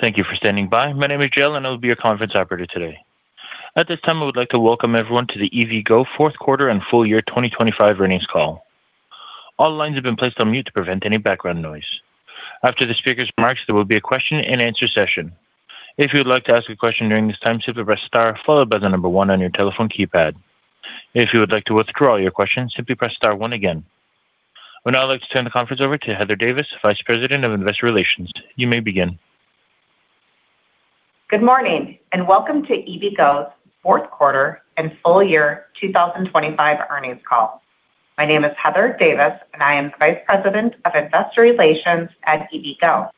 Thank you for standing by. My name is Jill, and I will be your conference operator today. At this time, I would like to welcome everyone to the EVgo fourth quarter and full year 2025 earnings call. All lines have been placed on mute to prevent any background noise. After the speaker's remarks, there will be a question-and-answer session. If you would like to ask a question during this time, simply press star followed by 1 on your telephone keypad. If you would like to withdraw your question, simply press star 1 again. I would now like to turn the conference over to Heather Davis, Vice President of Investor Relations. You may begin. Good morning, welcome to EVgo's fourth quarter and full year 2025 earnings call. My name is Heather Davis, and I am Vice President of Investor Relations at EVgo.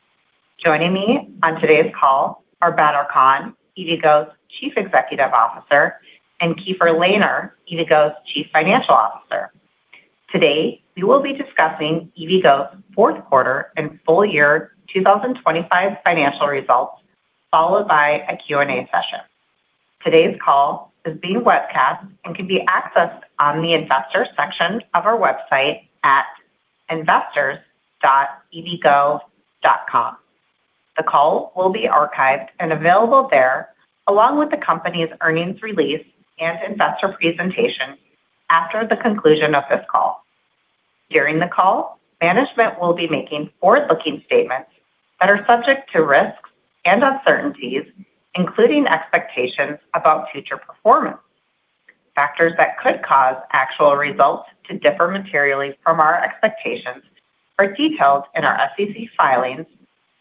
Joining me on today's call are Badar Khan, EVgo's Chief Executive Officer, and Keefer Lehner, EVgo's Chief Financial Officer. Today, we will be discussing EVgo's fourth quarter and full year 2025 financial results, followed by a Q&A session. Today's call is being webcast and can be accessed on the investor section of our website at investors.evgo.com. The call will be archived and available there along with the company's earnings release and investor presentation after the conclusion of this call. During the call, management will be making forward-looking statements that are subject to risks and uncertainties, including expectations about future performance. Factors that could cause actual results to differ materially from our expectations are detailed in our SEC filings,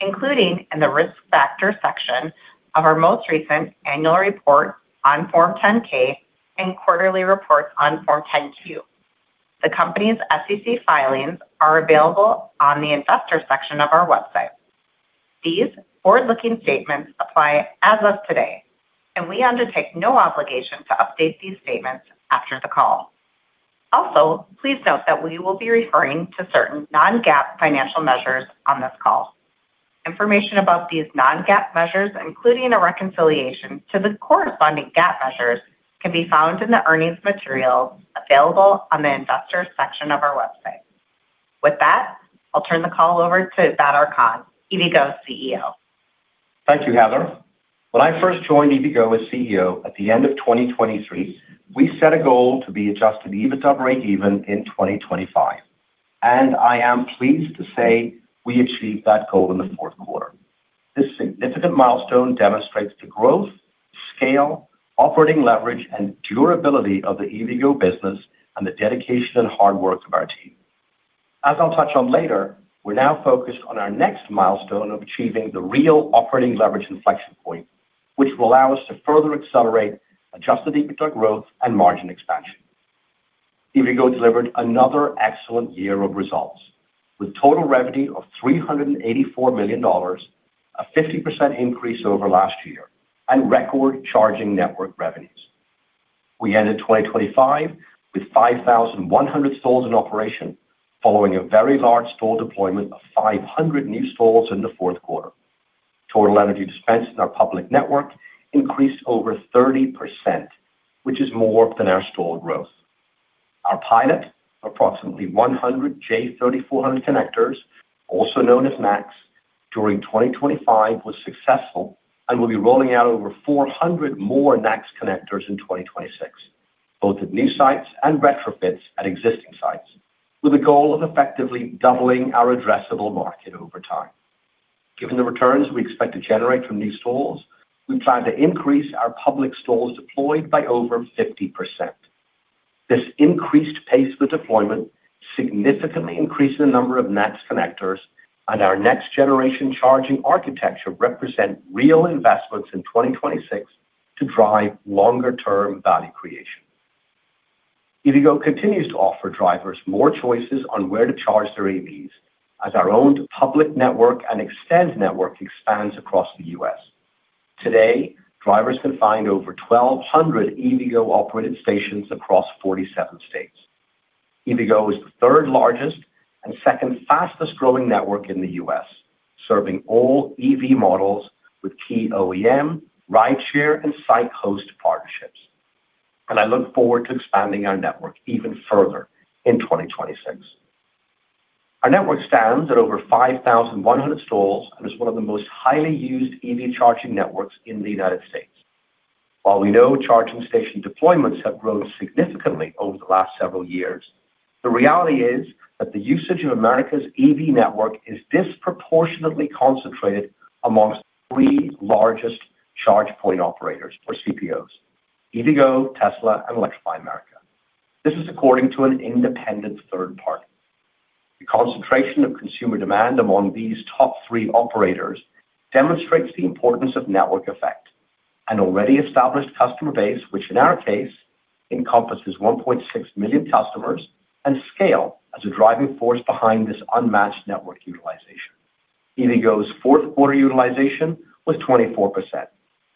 including in the Risk Factors section of our most recent annual report on Form 10-K and quarterly reports on Form 10-Q. The company's SEC filings are available on the investor section of our website. These forward-looking statements apply as of today. We undertake no obligation to update these statements after the call. Also, please note that we will be referring to certain non-GAAP financial measures on this call. Information about these non-GAAP measures, including a reconciliation to the corresponding GAAP measures, can be found in the earnings material available on the investor section of our website. With that, I'll turn the call over to Badar Khan, EVgo's CEO. Thank you, Heather. When I first joined EVgo as CEO at the end of 2023, we set a goal to be adjusted EBITDA break even in 2025. I am pleased to say we achieved that goal in the fourth quarter. This significant milestone demonstrates the growth, scale, operating leverage, and durability of the EVgo business and the dedication and hard work of our team. As I'll touch on later, we're now focused on our next milestone of achieving the real operating leverage inflection point, which will allow us to further accelerate adjusted EBITDA growth and margin expansion. EVgo delivered another excellent year of results, with total revenue of $384 million, a 50% increase over last year, record charging network revenues. We ended 2025 with 5,100 stalls in operation following a very large stall deployment of 500 new stalls in the fourth quarter. Total energy dispensed in our public network increased over 30%, which is more than our stall growth. Our pilot, approximately 100 J3400 connectors, also known as NACS, during 2025 was successful and will be rolling out over 400 more NACS connectors in 2026, both at new sites and retrofits at existing sites, with a goal of effectively doubling our addressable market over time. Given the returns we expect to generate from these stalls, we plan to increase our public stalls deployed by over 50%. This increased pace with deployment significantly increases the number of NACS connectors and our next generation charging architecture represent real investments in 2026 to drive longer term value creation. EVgo continues to offer drivers more choices on where to charge their EVs as our owned public network and extend network expands across the U.S. Today, drivers can find over 1,200 EVgo-operated stations across 47 states. EVgo is the third largest and second fastest-growing network in the U.S., serving all EV models with key OEM, rideshare, and site host partnerships. I look forward to expanding our network even further in 2026. Our network stands at over 5,100 stalls and is one of the most highly used EV charging networks in the United States. While we know charging station deployments have grown significantly over the last several years, the reality is that the usage of America's EV network is disproportionately concentrated amongst the three largest charge point operators or CPOs: EVgo, Tesla, and Electrify America. This is according to an independent third party. The concentration of consumer demand among these top three operators demonstrates the importance of network effect, an already established customer base, which in our case encompasses 1.6 million customers, and scale as a driving force behind this unmatched network utilization. EVgo's fourth quarter utilization was 24%,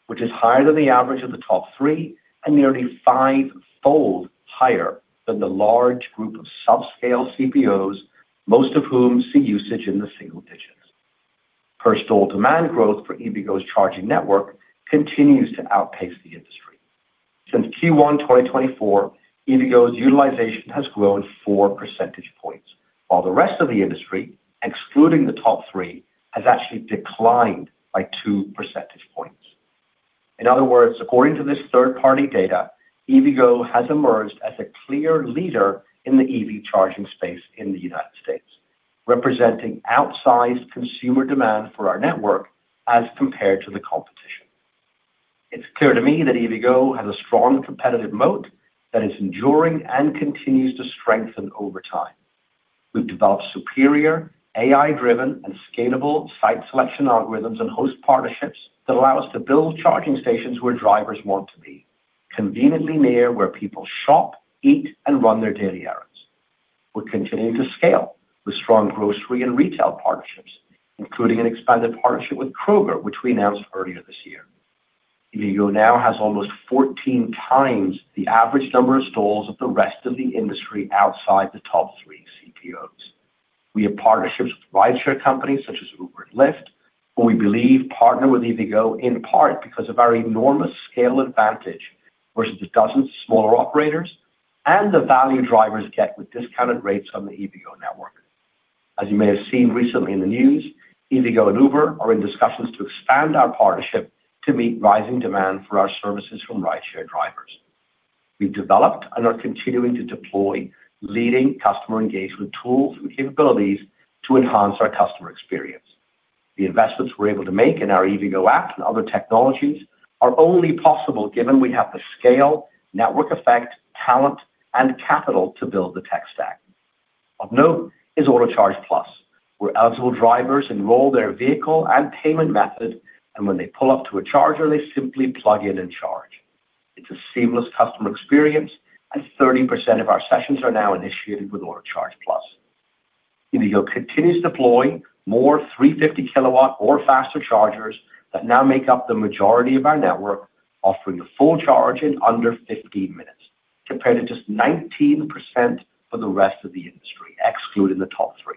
which is higher than the average of the top three and nearly 5-fold higher than the large group of subscale CPOs, most of whom see usage in the single digits. Per stall demand growth for EVgo's charging network continues to outpace the industry. Since Q1 2024, EVgo's utilization has grown 4 percentage points, while the rest of the industry, excluding the top three, has actually declined by 2 percentage points. In other words, according to this third-party data, EVgo has emerged as a clear leader in the EV charging space in the United States, representing outsized consumer demand for our network as compared to the competition. It's clear to me that EVgo has a strong competitive moat that is enduring and continues to strengthen over time. We've developed superior AI-driven and scalable site selection algorithms and host partnerships that allow us to build charging stations where drivers want to be, conveniently near where people shop, eat, and run their daily errands. We're continuing to scale with strong grocery and retail partnerships, including an expanded partnership with Kroger, which we announced earlier this year. EVgo now has almost 14 times the average number of stalls of the rest of the industry outside the top three CPOs. We have partnerships with rideshare companies such as Uber and Lyft, who we believe partner with EVgo in part because of our enormous scale advantage versus 12 smaller operators and the value drivers get with discounted rates on the EVgo network. As you may have seen recently in the news, EVgo and Uber are in discussions to expand our partnership to meet rising demand for our services from rideshare drivers. We've developed and are continuing to deploy leading customer engagement tools and capabilities to enhance our customer experience. The investments we're able to make in our EVgo app and other technologies are only possible given we have the scale, network effect, talent, and capital to build the tech stack. Of note is Autocharge+, where eligible drivers enroll their vehicle and payment method, and when they pull up to a charger, they simply plug in and charge. It's a seamless customer experience. 30% of our sessions are now initiated with Autocharge+. EVgo continues to deploy more 350 kW or faster chargers that now make up the majority of our network, offering a full charge in under 15 minutes, compared to just 19% for the rest of the industry, excluding the top 3.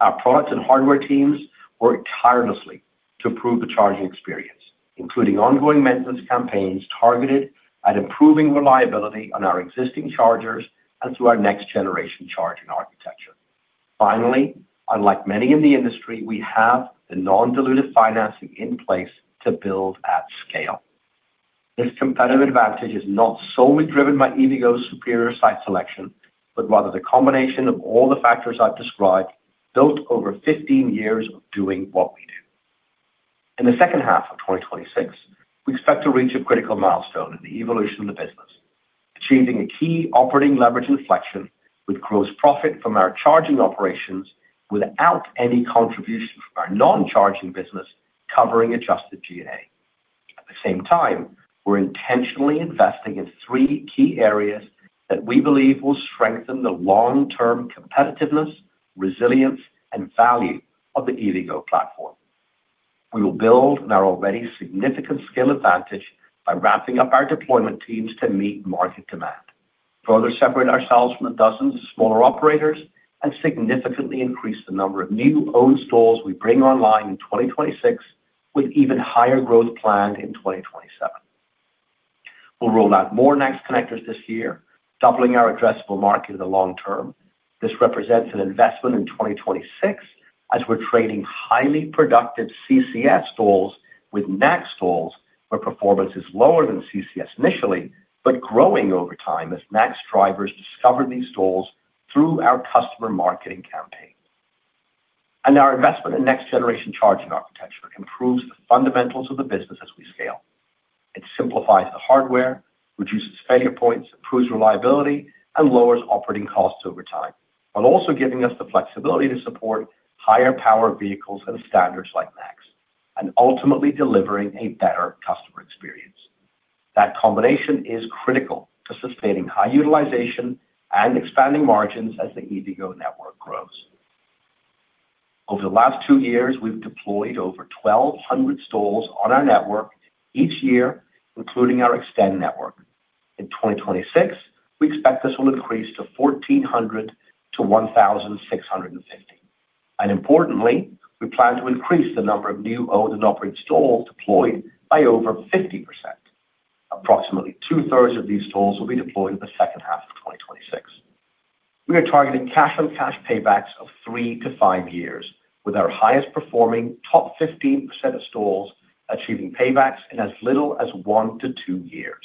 Our products and hardware teams work tirelessly to improve the charging experience, including ongoing maintenance campaigns targeted at improving reliability on our existing chargers and through our next-generation charging architecture. Finally, unlike many in the industry, we have the non-dilutive financing in place to build at scale. This competitive advantage is not solely driven by EVgo's superior site selection, but rather the combination of all the factors I've described built over 15 years of doing what we do. In the second half of 2026, we expect to reach a critical milestone in the evolution of the business, achieving a key operating leverage inflection with gross profit from our charging operations without any contribution from our non-charging business covering adjusted G&A. At the same time, we're intentionally investing in three key areas that we believe will strengthen the long-term competitiveness, resilience, and value of the EVgo platform. We will build on our already significant scale advantage by ramping up our deployment teams to meet market demand, further separate ourselves from the dozens of smaller operators, and significantly increase the number of new owned stalls we bring online in 2026, with even higher growth planned in 2027. We'll roll out more NACS connectors this year, doubling our addressable market in the long term. This represents an investment in 2026 as we're trading highly productive CCS stalls with NACS stalls, where performance is lower than CCS initially, but growing over time as NACS drivers discover these stalls through our customer marketing campaign. Our investment in next-generation charging architecture improves the fundamentals of the business as we scale. It simplifies the hardware, reduces failure points, improves reliability, and lowers operating costs over time, while also giving us the flexibility to support higher power vehicles and standards like NACS, and ultimately delivering a better customer experience. That combination is critical to sustaining high utilization and expanding margins as the EVgo network grows. Over the last two years, we've deployed over 1,200 stalls on our network each year, including our extend network. In 2026, we expect this will increase to 1,400-1,650. Importantly, we plan to increase the number of new owned and operated stalls deployed by over 50%. Approximately two-thirds of these stalls will be deployed in the second half of 2026. We are targeting cash on cash paybacks of three to five years, with our highest performing top 15% of stalls achieving paybacks in as little as one to two years.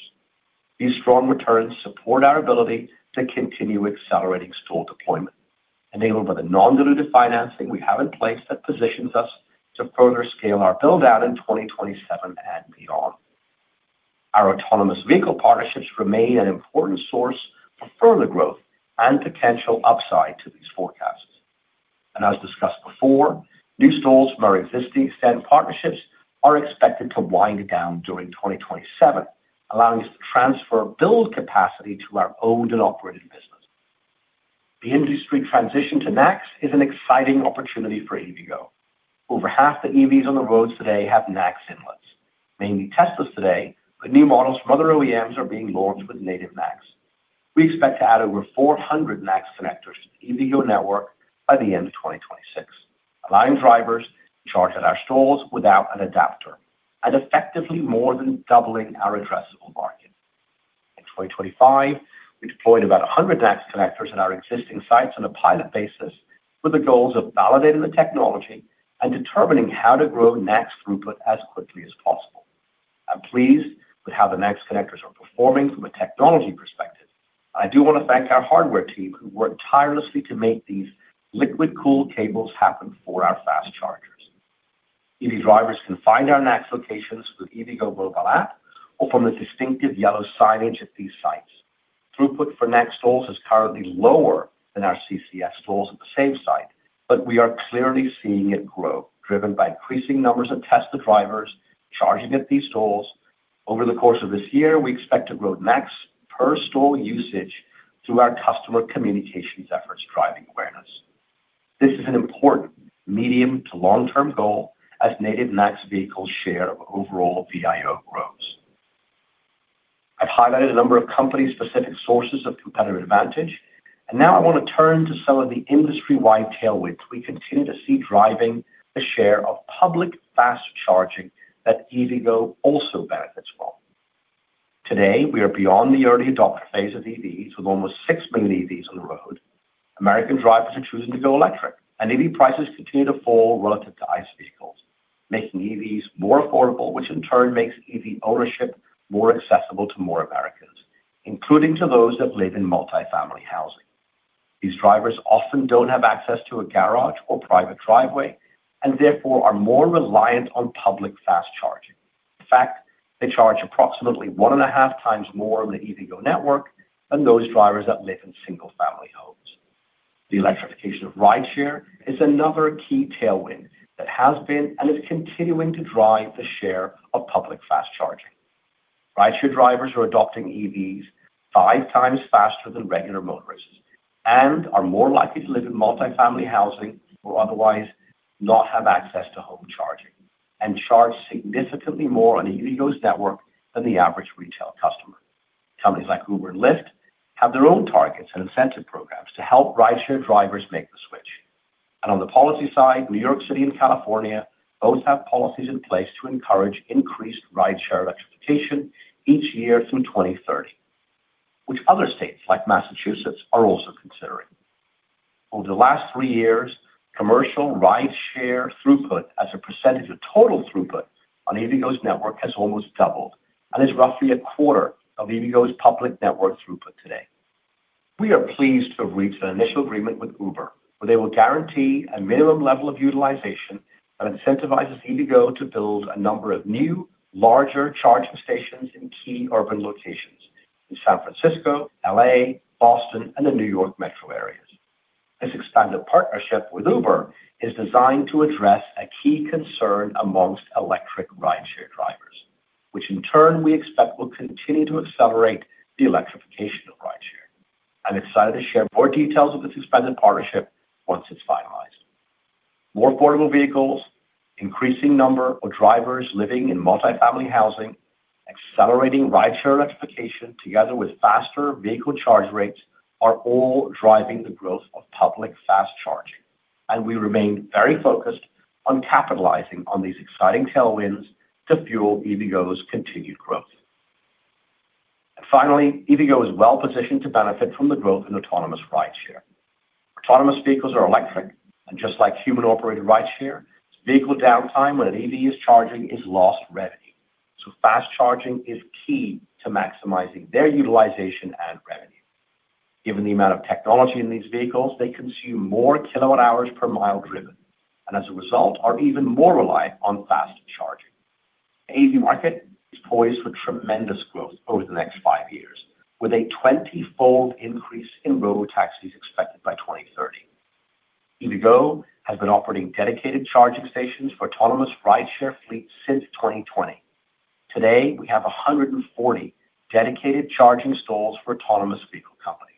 These strong returns support our ability to continue accelerating stall deployment, enabled by the non-dilutive financing we have in place that positions us to further scale our build-out in 2027 and beyond. Our autonomous vehicle partnerships remain an important source for further growth and potential upside to these forecasts. As discussed before, new stalls from our existing extend partnerships are expected to wind down during 2027, allowing us to transfer build capacity to our owned and operated business. The industry transition to NACS is an exciting opportunity for EVgo. Over half the EVs on the roads today have NACS inlets, mainly Teslas today, but new models from other OEMs are being launched with native NACS. We expect to add over 400 NACS connectors to the EVgo network by the end of 2026, allowing drivers to charge at our stalls without an adapter. Effectively more than doubling our addressable market. In 2025, we deployed about 100 NACS connectors in our existing sites on a pilot basis with the goals of validating the technology and determining how to grow NACS throughput as quickly as possible. I'm pleased with how the NACS connectors are performing from a technology perspective. I do want to thank our hardware team, who worked tirelessly to make these liquid-cooled cables happen for our fast chargers. EV drivers can find our next locations with EVgo mobile app or from the distinctive yellow signage at these sites. Throughput for NACS stalls is currently lower than our CCS stalls at the same site. We are clearly seeing it grow, driven by increasing numbers of Tesla drivers charging at these stalls. Over the course of this year, we expect to grow NACS per stall usage through our customer communications efforts, driving awareness. This is an important medium to long-term goal as native NACS vehicles share of overall VIO grows. I've highlighted a number of company-specific sources of competitive advantage. Now I want to turn to some of the industry-wide tailwinds we continue to see driving the share of public fast charging that EVgo also benefits from. Today, we are beyond the early adopter phase of EVs. With almost 6 million EVs on the road, American drivers are choosing to go electric. EV prices continue to fall relative to ICE vehicles, making EVs more affordable, which in turn makes EV ownership more accessible to more Americans, including to those that live in multi-family housing. These drivers often don't have access to a garage or private driveway, and therefore are more reliant on public fast charging. In fact, they charge approximately 1.5 times more on the EVgo network than those drivers that live in single-family homes. The electrification of rideshare is another key tailwind that has been, and is continuing to drive the share of public fast charging. Rideshare drivers are adopting EVs five times faster than regular motorists and are more likely to live in multi-family housing or otherwise not have access to home charging, and charge significantly more on EVgo's network than the average retail customer. Companies like Uber and Lyft have their own targets and incentive programs to help rideshare drivers make the switch. On the policy side, New York City and California both have policies in place to encourage increased rideshare electrification each year through 2030, which other states, like Massachusetts, are also considering. Over the last three years, commercial rideshare throughput as a percentage of total throughput on EVgo's network has almost doubled and is roughly a quarter of EVgo's public network throughput today. We are pleased to have reached an initial agreement with Uber, where they will guarantee a minimum level of utilization that incentivizes EVgo to build a number of new, larger charging stations in key urban locations in San Francisco, L.A., Boston, and the New York metro areas. This expanded partnership with Uber is designed to address a key concern amongst electric rideshare drivers, which in turn we expect will continue to accelerate the electrification of rideshare. I'm excited to share more details of this expanded partnership once it's finalized. More affordable vehicles, increasing number of drivers living in multi-family housing, accelerating rideshare electrification together with faster vehicle charge rates are all driving the growth of public fast charging. We remain very focused on capitalizing on these exciting tailwinds to fuel EVgo's continued growth. Finally, EVgo is well positioned to benefit from the growth in autonomous rideshare. Autonomous vehicles are electric. Just like human-operated rideshare, vehicle downtime when an EV is charging is lost revenue. Fast charging is key to NACSimizing their utilization and revenue. Given the amount of technology in these vehicles, they consume more kW hours per mile driven, and as a result, are even more reliant on fast charging. The AV market is poised for tremendous growth over the next 5 years, with a 20-fold increase in robotaxis expected by 2030. EVgo has been operating dedicated charging stations for autonomous rideshare fleets since 2020. Today, we have 140 dedicated charging stalls for autonomous vehicle companies.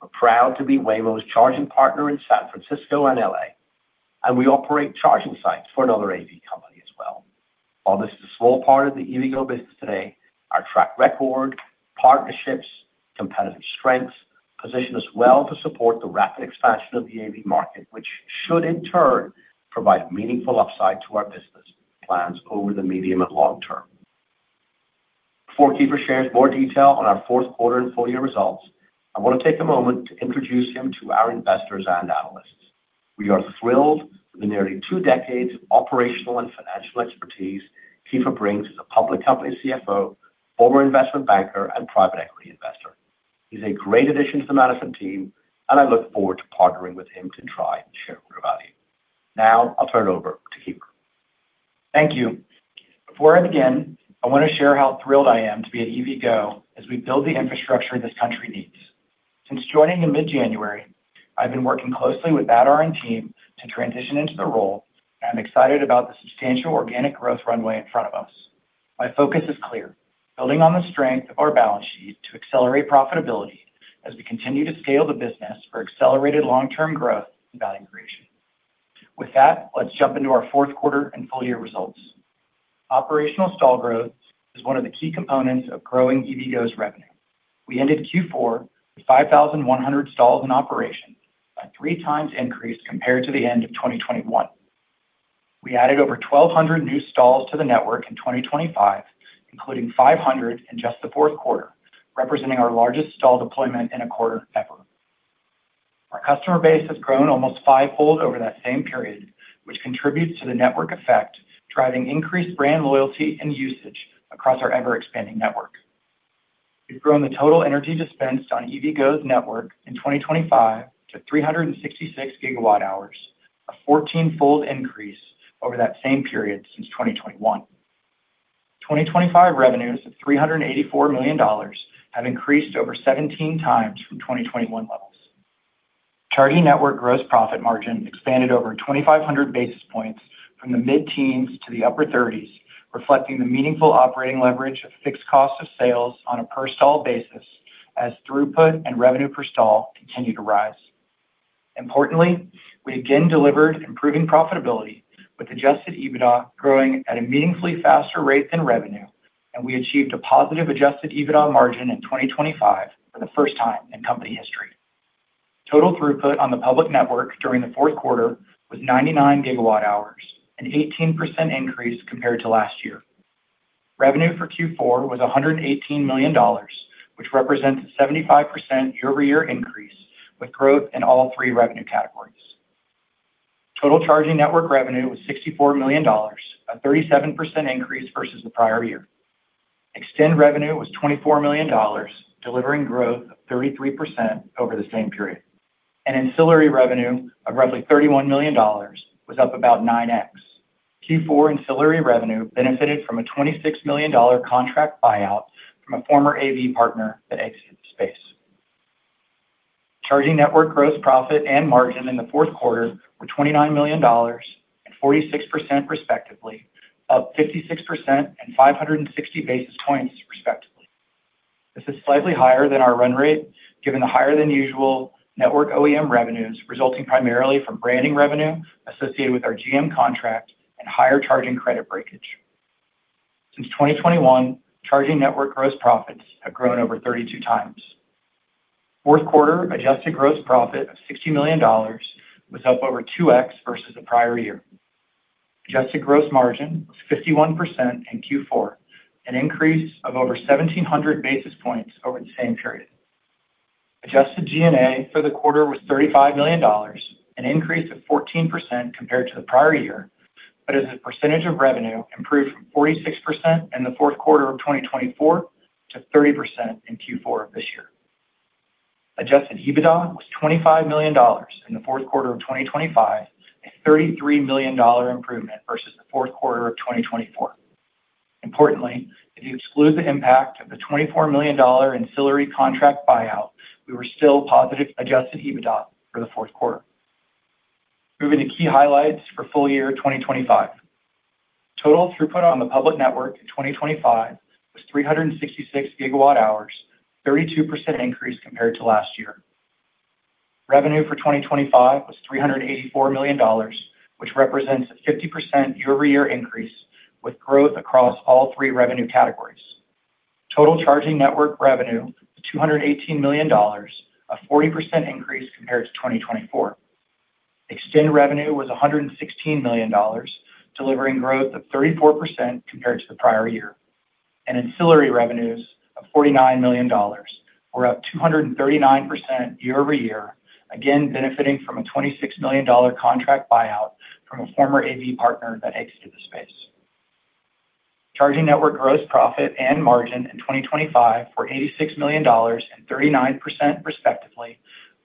We're proud to be Waymo's charging partner in San Francisco and L.A., and we operate charging sites for another AV company as well. While this is a small part of the EVgo business today, our track record, partnerships, competitive strengths position us well to support the rapid expansion of the AV market, which should in turn provide meaningful upside to our business plans over the medium and long term. Before Keefer shares more detail on our fourth quarter and full-year results, I want to take a moment to introduce him to our investors and analysts. We are thrilled with the nearly two decades of operational and financial expertise Keefer brings as a public company CFO, former investment banker and private equity investor. He's a great addition to the management team, and I look forward to partnering with him to drive and share shareholder value. Now, I'll turn it over to Keefer. Thank you. Before I begin, I want to share how thrilled I am to be at EVgo as we build the infrastructure this country needs. Since joining in mid-January, I've been working closely with Badar and team to transition into the role, and I'm excited about the substantial organic growth runway in front of us. My focus is clear: building on the strength of our balance sheet to accelerate profitability as we continue to scale the business for accelerated long-term growth and value creation. With that, let's jump into our Q4 and full year results. Operational stall growth is one of the key components of growing EVgo's revenue. We ended Q4 with 5,100 stalls in operation, a three times increase compared to the end of 2021. We added over 1,200 new stalls to the network in 2025, including 500 in just the fourth quarter, representing our largest stall deployment in a quarter ever. Our customer base has grown almost five-fold over that same period, which contributes to the network effect, driving increased brand loyalty and usage across our ever-expanding network. We've grown the total energy dispensed on EVgo's network in 2025 to 366 GWh, a 14-fold increase over that same period since 2021. 2025 revenues of $384 million have increased over 17 times from 2021 levels. Charging network gross profit margin expanded over 2,500 basis points from the mid-teens to the upper thirties, reflecting the meaningful operating leverage of fixed cost of sales on a per stall basis as throughput and revenue per stall continued to rise. Importantly, we again delivered improving profitability with adjusted EBITDA growing at a meaningfully faster rate than revenue, we achieved a positive adjusted EBITDA margin in 2025 for the first time in company history. Total throughput on the public network during the fourth quarter was 99 GW hours, an 18% increase compared to last year. Revenue for Q4 was $118 million, which represents 75% year-over-year increase, with growth in all three revenue categories. Total charging network revenue was $64 million, a 37% increase versus the prior year. Extend revenue was $24 million, delivering growth of 33% over the same period. Ancillary revenue of roughly $31 million was up about 9x. Q4 ancillary revenue benefited from a $26 million contract buyout from a former AV partner that exited the space. Charging network gross profit and margin in the fourth quarter were $29 million and 46% respectively, up 56% and 560 basis points, respectively. This is slightly higher than our run rate, given the higher than usual network OEM revenues, resulting primarily from branding revenue associated with our GM contract and higher charging credit breakage. Since 2021, charging network gross profits have grown over 32 times. Fourth quarter adjusted gross profit of $60 million was up over 2x versus the prior year. Adjusted gross margin was 51% in Q4, an increase of over 1,700 basis points over the same period. Adjusted G&A for the quarter was $35 million, an increase of 14% compared to the prior year. As a percentage of revenue improved from 46% in the fourth quarter of 2024 to 30% in Q4 of this year. Adjusted EBITDA was $25 million in the fourth quarter of 2025, a $33 million improvement versus the fourth quarter of 2024. Importantly, if you exclude the impact of the $24 million ancillary contract buyout, we were still positive adjusted EBITDA for the fourth quarter. Moving to key highlights for full year 2025. Total throughput on the public network in 2025 was 366 GWh, 32% increase compared to last year. Revenue for 2025 was $384 million, which represents a 50% year-over-year increase with growth across all three revenue categories. Total charging network revenue, $218 million, a 40% increase compared to 2024. Extend revenue was $116 million, delivering growth of 34% compared to the prior year. Ancillary revenues of $49 million were up 239% year-over-year, again benefiting from a $26 million contract buyout from a former AV partner that exited the space. Charging network gross profit and margin in 2025 were $86 million and 39%, respectively,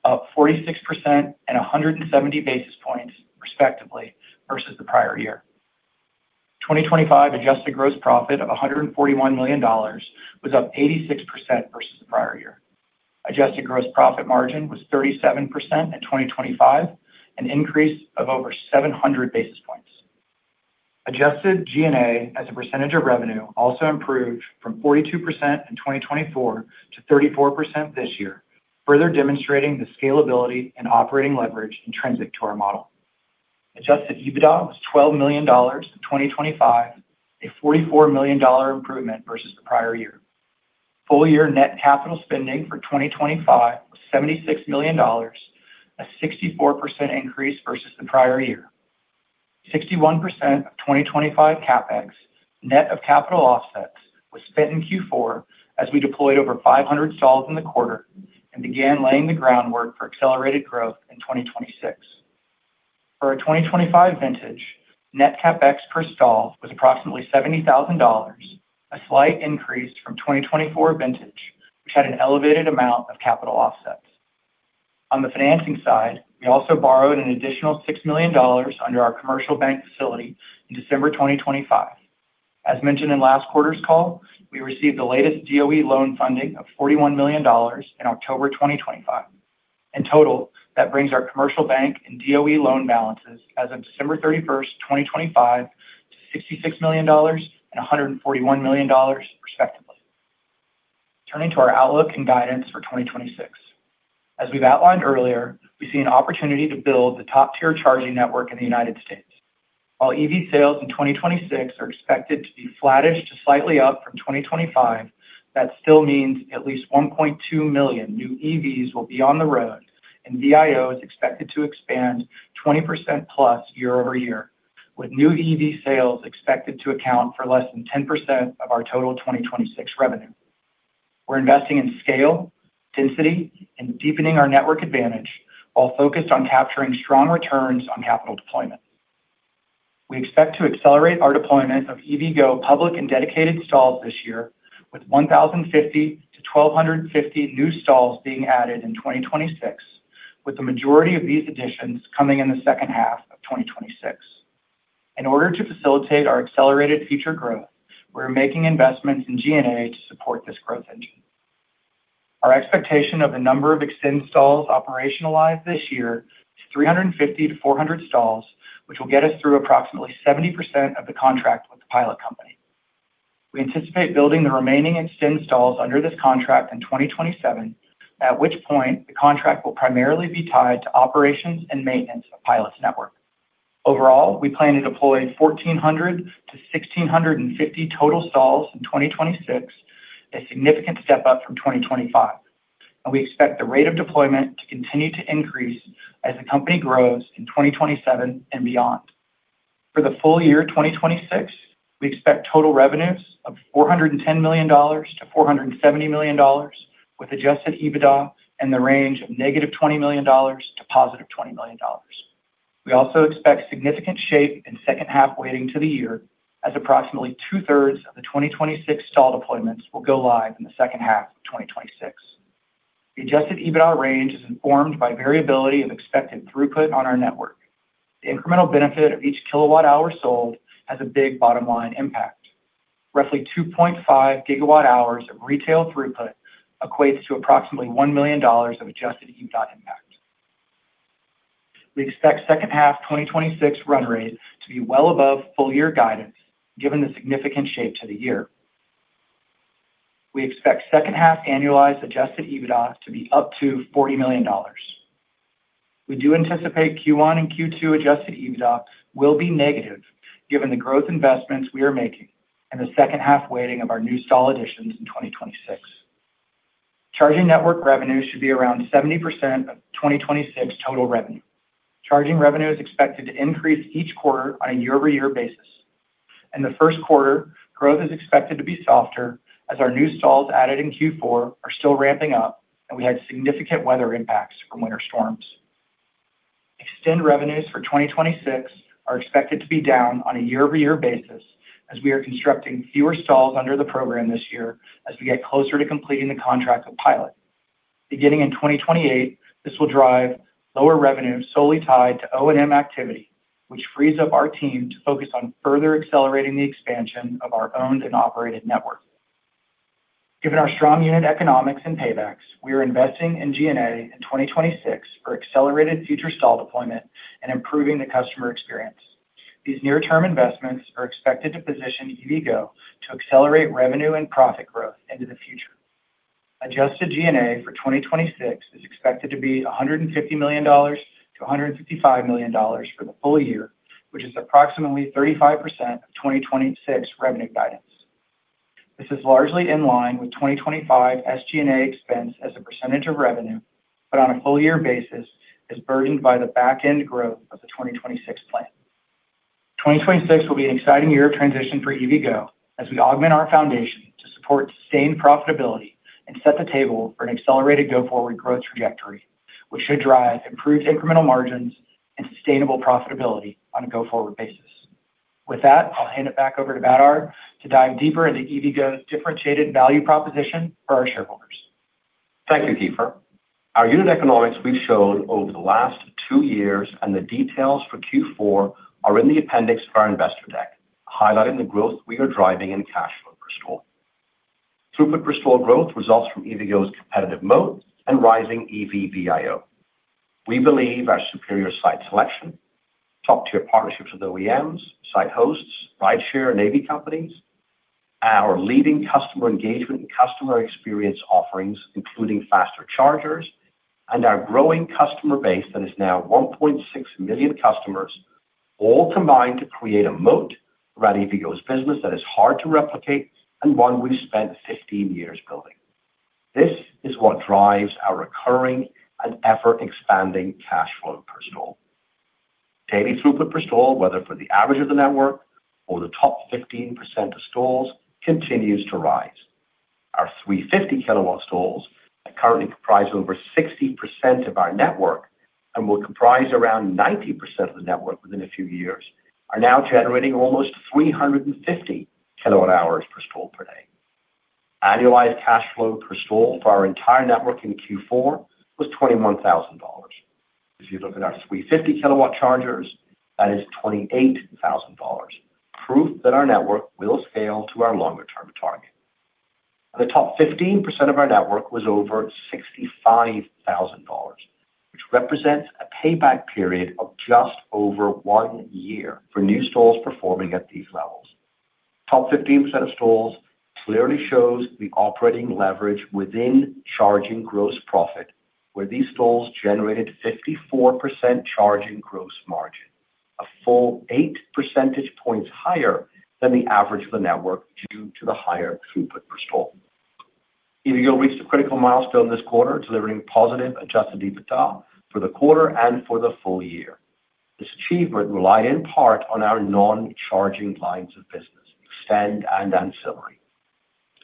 up 46% and 170 basis points, respectively, versus the prior year. 2025 adjusted gross profit of $141 million was up 86% versus the prior year. Adjusted gross profit margin was 37% in 2025, an increase of over 700 basis points. Adjusted G&A as a percentage of revenue also improved from 42% in 2024 to 34% this year, further demonstrating the scalability and operating leverage intrinsic to our model. Adjusted EBITDA was $12 million in 2025, a $44 million improvement versus the prior year. Full year net capital spending for 2025, $76 million, a 64% increase versus the prior year. 61% of 2025 CapEx, net of capital offsets, was spent in Q4 as we deployed over 500 stalls in the quarter and began laying the groundwork for accelerated growth in 2026. For our 2025 vintage, net CapEx per stall was approximately $70,000, a slight increase from 2024 vintage, which had an elevated amount of capital offsets. On the financing side, we also borrowed an additional $6 million under our commercial bank facility in December 2025. As mentioned in last quarter's call, we received the latest DOE loan funding of $41 million in October 2025. In total, that brings our commercial bank and DOE loan balances as of December 31, 2025 to $66 million and $141 million, respectively. Turning to our outlook and guidance for 2026. As we've outlined earlier, we see an opportunity to build the top-tier charging network in the United States. While EV sales in 2026 are expected to be flattish to slightly up from 2025, that still means at least 1.2 million new EVs will be on the road, and VIO is expected to expand 20%+ year-over-year, with new EV sales expected to account for less than 10% of our total 2026 revenue. We're investing in scale, density, and deepening our network advantage while focused on capturing strong returns on capital deployment. We expect to accelerate our deployment of EVgo public and dedicated stalls this year with 1,050-1,250 new stalls being added in 2026, with the majority of these additions coming in the second half of 2026. In order to facilitate our accelerated future growth, we're making investments in G&A to support this growth engine. Our expectation of the number of extend stalls operationalized this year is 350-400 stalls, which will get us through approximately 70% of the contract with the Pilot Company. We anticipate building the remaining extend stalls under this contract in 2027, at which point the contract will primarily be tied to operations and maintenance of Pilot's network. Overall, we plan to deploy 1,400-1,650 total stalls in 2026, a significant step up from 2025. We expect the rate of deployment to continue to increase as the company grows in 2027 and beyond. For the full year 2026, we expect total revenues of $410 million-$470 million, with adjusted EBITDA in the range of -$20 million to +$20 million. We also expect significant shape in second half weighting to the year as approximately two-thirds of the 2026 stall deployments will go live in the second half of 2026. The adjusted EBITDA range is informed by variability of expected throughput on our network. The incremental benefit of each kW hour sold has a big bottom line impact. Roughly 2.5 GWh of retail throughput equates to approximately $1 million of adjusted EBITDA impact. We expect second half 2026 run rate to be well above full year guidance, given the significant shape to the year. We expect second half annualized adjusted EBITDA to be up to $40 million. We do anticipate Q1 and Q2 adjusted EBITDAs will be negative, given the growth investments we are making and the second half weighting of our new stall additions in 2026. Charging network revenue should be around 70% of 2026 total revenue. Charging revenue is expected to increase each quarter on a year-over-year basis. In the first quarter, growth is expected to be softer as our new stalls added in Q4 are still ramping up and we had significant weather impacts from winter storms. Extend revenues for 2026 are expected to be down on a year-over-year basis as we are constructing fewer stalls under the program this year as we get closer to completing the contract with Pilot. Beginning in 2028, this will drive lower revenue solely tied to O&M activity, which frees up our team to focus on further accelerating the expansion of our owned and operated network. Given our strong unit economics and paybacks, we are investing in G&A in 2026 for accelerated future stall deployment and improving the customer experience. These near-term investments are expected to position EVgo to accelerate revenue and profit growth into the future. Adjusted G&A for 2026 is expected to be $150 million-$155 million for the full year, which is approximately 35% of 2026 revenue guidance. This is largely in line with 2025 SG&A expense as a percentage of revenue, but on a full year basis is burdened by the back end growth of the 2026 plan. 2026 will be an exciting year of transition for EVgo as we augment our foundation to support sustained profitability and set the table for an accelerated go forward growth trajectory, which should drive improved incremental margins and sustainable profitability on a go forward basis. With that, I'll hand it back over to Badar to dive deeper into EVgo's differentiated value proposition for our shareholders. Thank you, Keefer. Our unit economics we've shown over the last 2 years and the details for Q4 are in the appendix of our investor deck, highlighting the growth we are driving in cash flow per stall. Throughput per stall growth results from EVgo's competitive moat and rising EV VIO. We believe our superior site selection, top-tier partnerships with OEMs, site hosts, rideshare and AV companies, our leading customer engagement and customer experience offerings, including faster chargers, and our growing customer base that is now 1.6 million customers all combine to create a moat around EVgo's business that is hard to replicate and one we've spent 15 years building. This is what drives our recurring and ever-expanding cash flow per stall. Daily throughput per stall, whether for the average of the network or the top 15% of stalls, continues to rise. Our 350 kW stalls that currently comprise over 60% of our network and will comprise around 90% of the network within a few years, are now generating almost 350 kWh per stall per day. Annualized cash flow per stall for our entire network in Q4 was $21,000. If you look at our 350 kW chargers, that is $28,000. Proof that our network will scale to our longer term target. The top 15% of our network was over $65,000, which represents a payback period of just over 1 year for new stalls performing at these levels. Top 15% of stalls clearly shows the operating leverage within charging gross profit, where these stalls generated 54% charge in gross margin, a full 8 percentage points higher than the average of the network due to the higher throughput per stall. EVgo reached a critical milestone this quarter, delivering positive adjusted EBITDA for the quarter and for the full year. This achievement relied in part on our non-charging lines of business, extend and ancillary.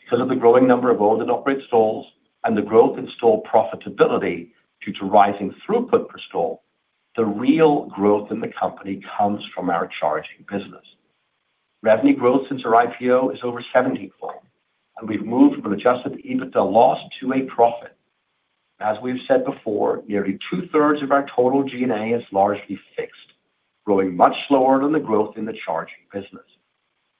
Because of the growing number of owned and operate stalls and the growth in stall profitability due to rising throughput per stall, the real growth in the company comes from our charging business. Revenue growth since our IPO is over 70-fold, and we've moved from an adjusted EBITDA loss to a profit. As we've said before, nearly two-thirds of our total G&A is largely fixed, growing much slower than the growth in the charging business.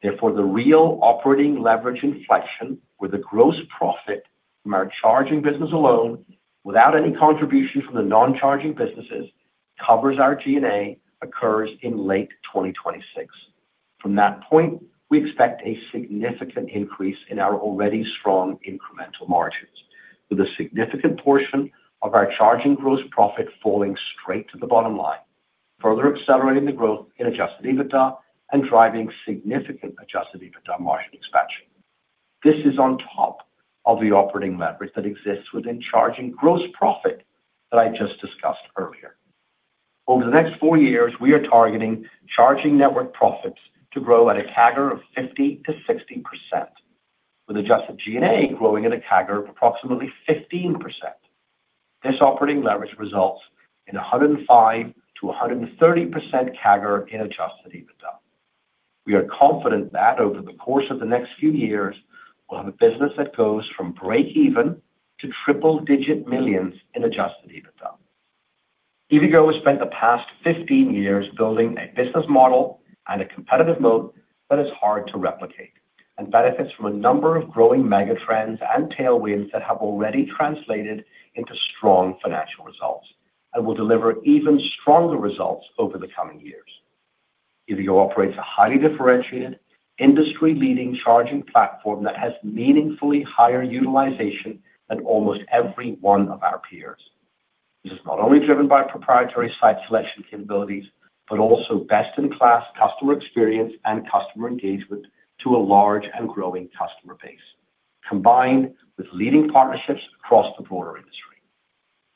The real operating leverage inflection with a gross profit from our charging business alone, without any contribution from the non-charging businesses, covers our G&A occurs in late 2026. From that point, we expect a significant increase in our already strong incremental margins, with a significant portion of our charging gross profit falling straight to the bottom line, further accelerating the growth in adjusted EBITDA and driving significant adjusted EBITDA margin expansion. This is on top of the operating leverage that exists within charging gross profit that I just discussed earlier. Over the next four years, we are targeting charging network profits to grow at a CAGR of 50%-60%, with adjusted G&A growing at a CAGR of approximately 15%. This operating leverage results in a 105%-130% CAGR in adjusted EBITDA. We are confident that over the course of the next few years, we'll have a business that goes from breakeven to triple-digit millions in adjusted EBITDA. EVgo has spent the past 15 years building a business model and a competitive moat that is hard to replicate and benefits from a number of growing mega trends and tailwinds that have already translated into strong financial results and will deliver even stronger results over the coming years. EVgo operates a highly differentiated industry-leading charging platform that has meaningfully higher utilization than almost every one of our peers. This is not only driven by proprietary site selection capabilities, but also best-in-class customer experience and customer engagement to a large and growing customer base, combined with leading partnerships across the broader industry.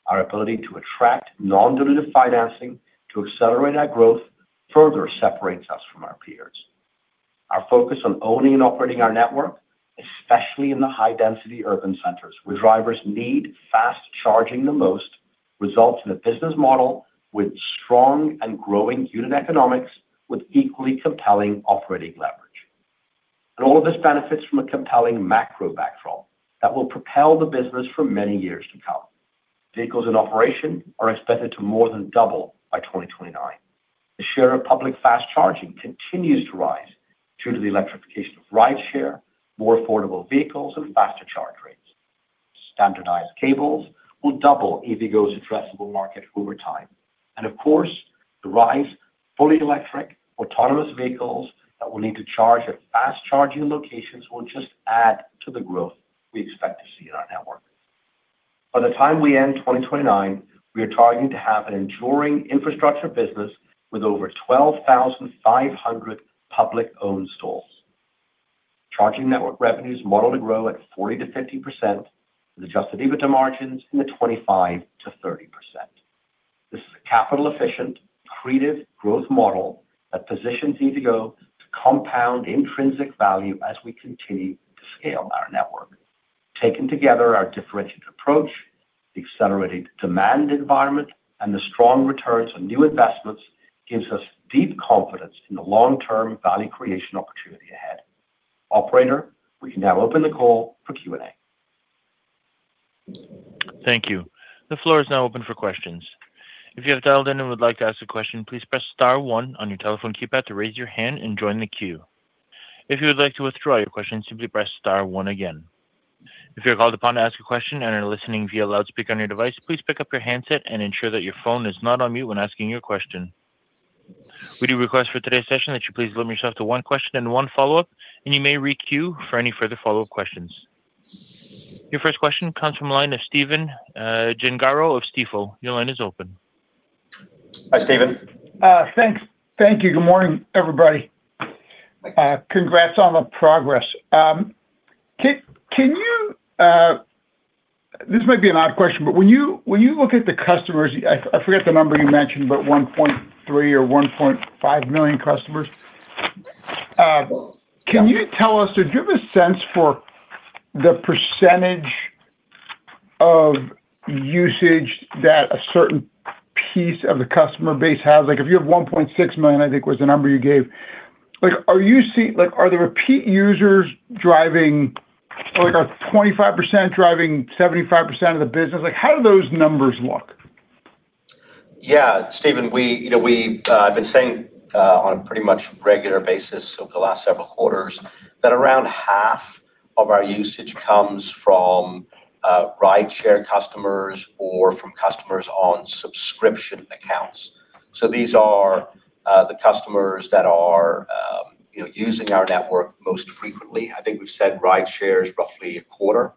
Our ability to attract non-dilutive financing to accelerate our growth further separates us from our peers. Our focus on owning and operating our network, especially in the high-density urban centers where drivers need fast charging the most, results in a business model with strong and growing unit economics with equally compelling operating leverage. All of this benefits from a compelling macro backdrop that will propel the business for many years to come. Vehicles in operation are expected to more than double by 2029. The share of public fast charging continues to rise due to the electrification of rideshare, more affordable vehicles, and faster charge rates. Standardized cables will double EVgo's addressable market over time. Of course, the rise fully electric, autonomous vehicles that will need to charge at fast charging locations will just add to the growth we expect to see in our network. By the time we end 2029, we are targeting to have an enduring infrastructure business with over 12,500 public-owned stalls. Charging network revenues model to grow at 40%-50% with adjusted EBITDA margins in the 25%-30%. This is a capital-efficient, accretive growth model that positions EVgo to compound intrinsic value as we continue to scale our network. Taken together, our differentiated approach, the accelerating demand environment, and the strong returns on new investments gives us deep confidence in the long-term value creation opportunity ahead. Operator, we can now open the call for Q&A. Thank you. The floor is now open for questions. If you have dialed in and would like to ask a question, please press star one on your telephone keypad to raise your hand and join the queue. If you would like to withdraw your question, simply press star one again. If you're called upon to ask a question and are listening via loudspeaker on your device, please pick up your handset and ensure that your phone is not on mute when asking your question. We do request for today's session that you please limit yourself to one question and one follow-up, and you may re-queue for any further follow-up questions. Your first question comes from line of Stephen Gengaro of Stifel. Your line is open. Hi, Stephen. Thanks. Thank you. Good morning, everybody. Congrats on the progress. Can you This might be an odd question, but when you look at the customers, I forget the number you mentioned, but 1.3 or 1.5 million customers. Yeah. Can you tell us, do you have a sense for the percentage of usage that a certain piece of the customer base has? Like, if you have 1.6 million, I think was the number you gave, like, are the repeat users driving... Like, are 25% driving 75% of the business? Like, how do those numbers look? Yeah. Stephen, we, you know, have been saying, on a pretty much regular basis over the last several quarters that around half Of our usage comes from rideshare customers or from customers on subscription accounts. These are the customers that are, you know, using our network most frequently. I think we've said rideshare is roughly a quarter.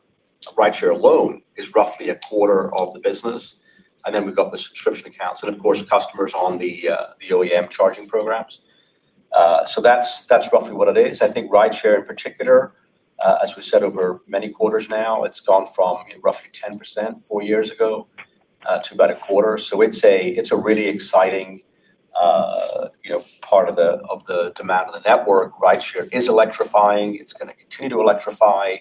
Rideshare alone is roughly a quarter of the business. We've got the subscription accounts, and of course, customers on the OEM charging programs. That's, that's roughly what it is. I think rideshare in particular, as we said over many quarters now, it's gone from roughly 10% four years ago, to about a quarter. It's a, it's a really exciting, you know, part of the demand of the network. Rideshare is electrifying. It's gonna continue to electrify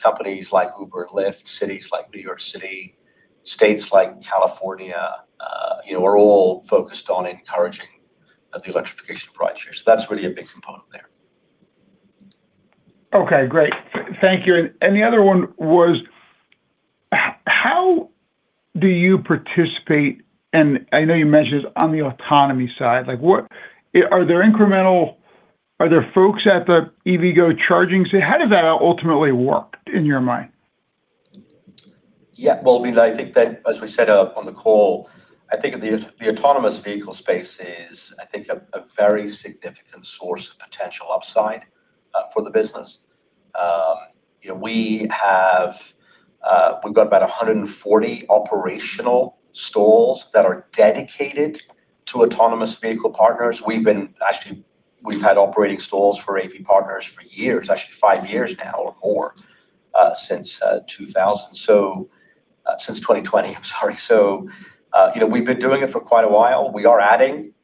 companies like Uber and Lyft, cities like New York City, states like California. you know, we're all focused on encouraging the electrification of rideshare. That's really a big component there. Okay, great. Thank you. The other one was how do you participate, and I know you mentioned this on the autonomy side. Like, Are there folks at the EVgo charging? How does that ultimately work in your mind? Well, I think that as we said on the call, I think the autonomous vehicle space is, I think, a very significant source of potential upside for the business. You know, we have, we've got about 140 operational stalls that are dedicated to autonomous vehicle partners. Actually, we've had operating stalls for AV partners for years, actually 5 years now or more, since 2000. Since 2020, I'm sorry. You know, we've been doing it for quite a while. We are adding,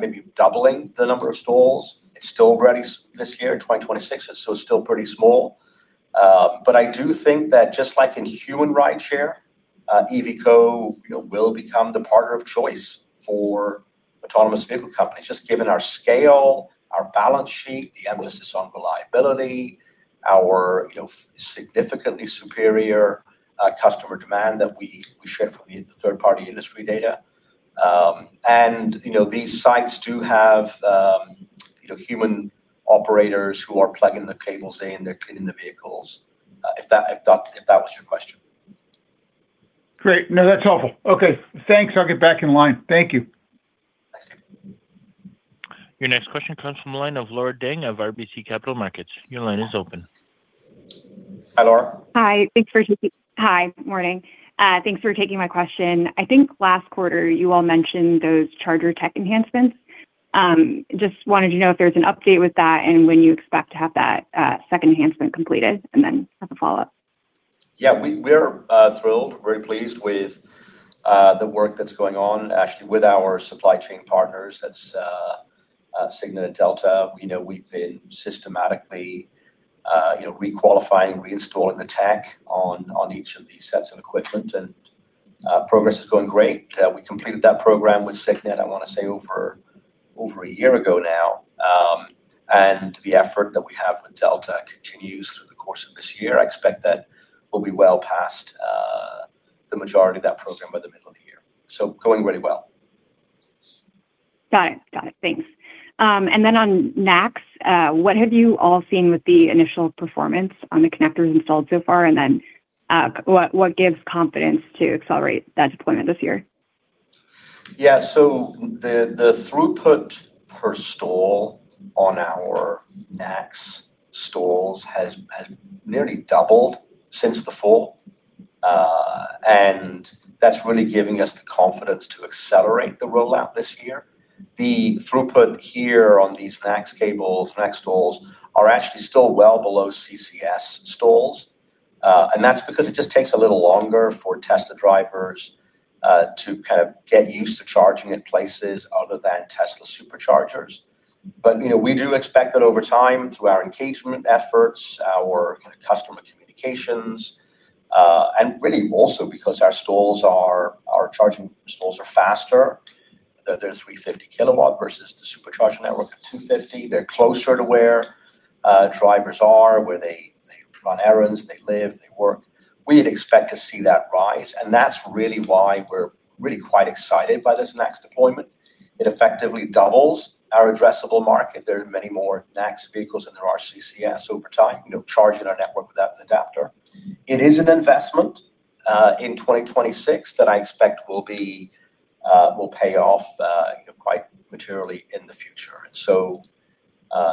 maybe doubling the number of stalls. It's still ready this year in 2026, it's still pretty small. I do think that just like in human rideshare, EVgo, you know, will become the partner of choice for autonomous vehicle companies, just given our scale, our balance sheet, the emphasis on reliability, our, you know, significantly superior, customer demand that we share from the third-party industry data. You know, these sites do have, you know, human operators who are plugging the cables in, they're cleaning the vehicles, if that was your question. Great. No, that's helpful. Okay, thanks. I'll get back in line. Thank you. Thanks. Your next question comes from the line of Laura Deng of RBC Capital Markets. Your line is open. Hi, Laura. Hi. Morning. Thanks for taking my question. I think last quarter you all mentioned those charger tech enhancements. Just wanted to know if there's an update with that and when you expect to have that second enhancement completed, and then I have a follow-up. We're thrilled, very pleased with the work that's going on actually with our supply chain partners. That's Signet and Delta. You know, we've been systematically, you know, re-qualifying, reinstalling the tech on each of these sets of equipment. Progress is going great. We completed that program with Signet, I want to say, over a year ago now. The effort that we have with Delta continues through the course of this year. I expect that we'll be well past the majority of that program by the middle of the year. Going really well. Got it. Got it. Thanks. On NACS, what have you all seen with the initial performance on the connectors installed so far? What gives confidence to accelerate that deployment this year? The, the throughput per stall on our NACS stalls has nearly doubled since the fall. That's really giving us the confidence to accelerate the rollout this year. The throughput here on these NACS cables, NACS stalls, are actually still well below CCS stalls. That's because it just takes a little longer for Tesla drivers to kind of get used to charging in places other than Tesla Superchargers. You know, we do expect that over time, through our engagement efforts, our customer communications, really also because our charging stalls are faster. They're 350 kW versus the Supercharger network at 250. They're closer to where drivers are, where they run errands, they live, they work. We'd expect to see that rise. That's really why we're really quite excited by this NACS deployment. It effectively doubles our addressable market. There are many more NACS vehicles than there are CCS over time, you know, charging our network without an adapter. It is an investment in 2026 that I expect will be, will pay off, you know, quite materially in the future.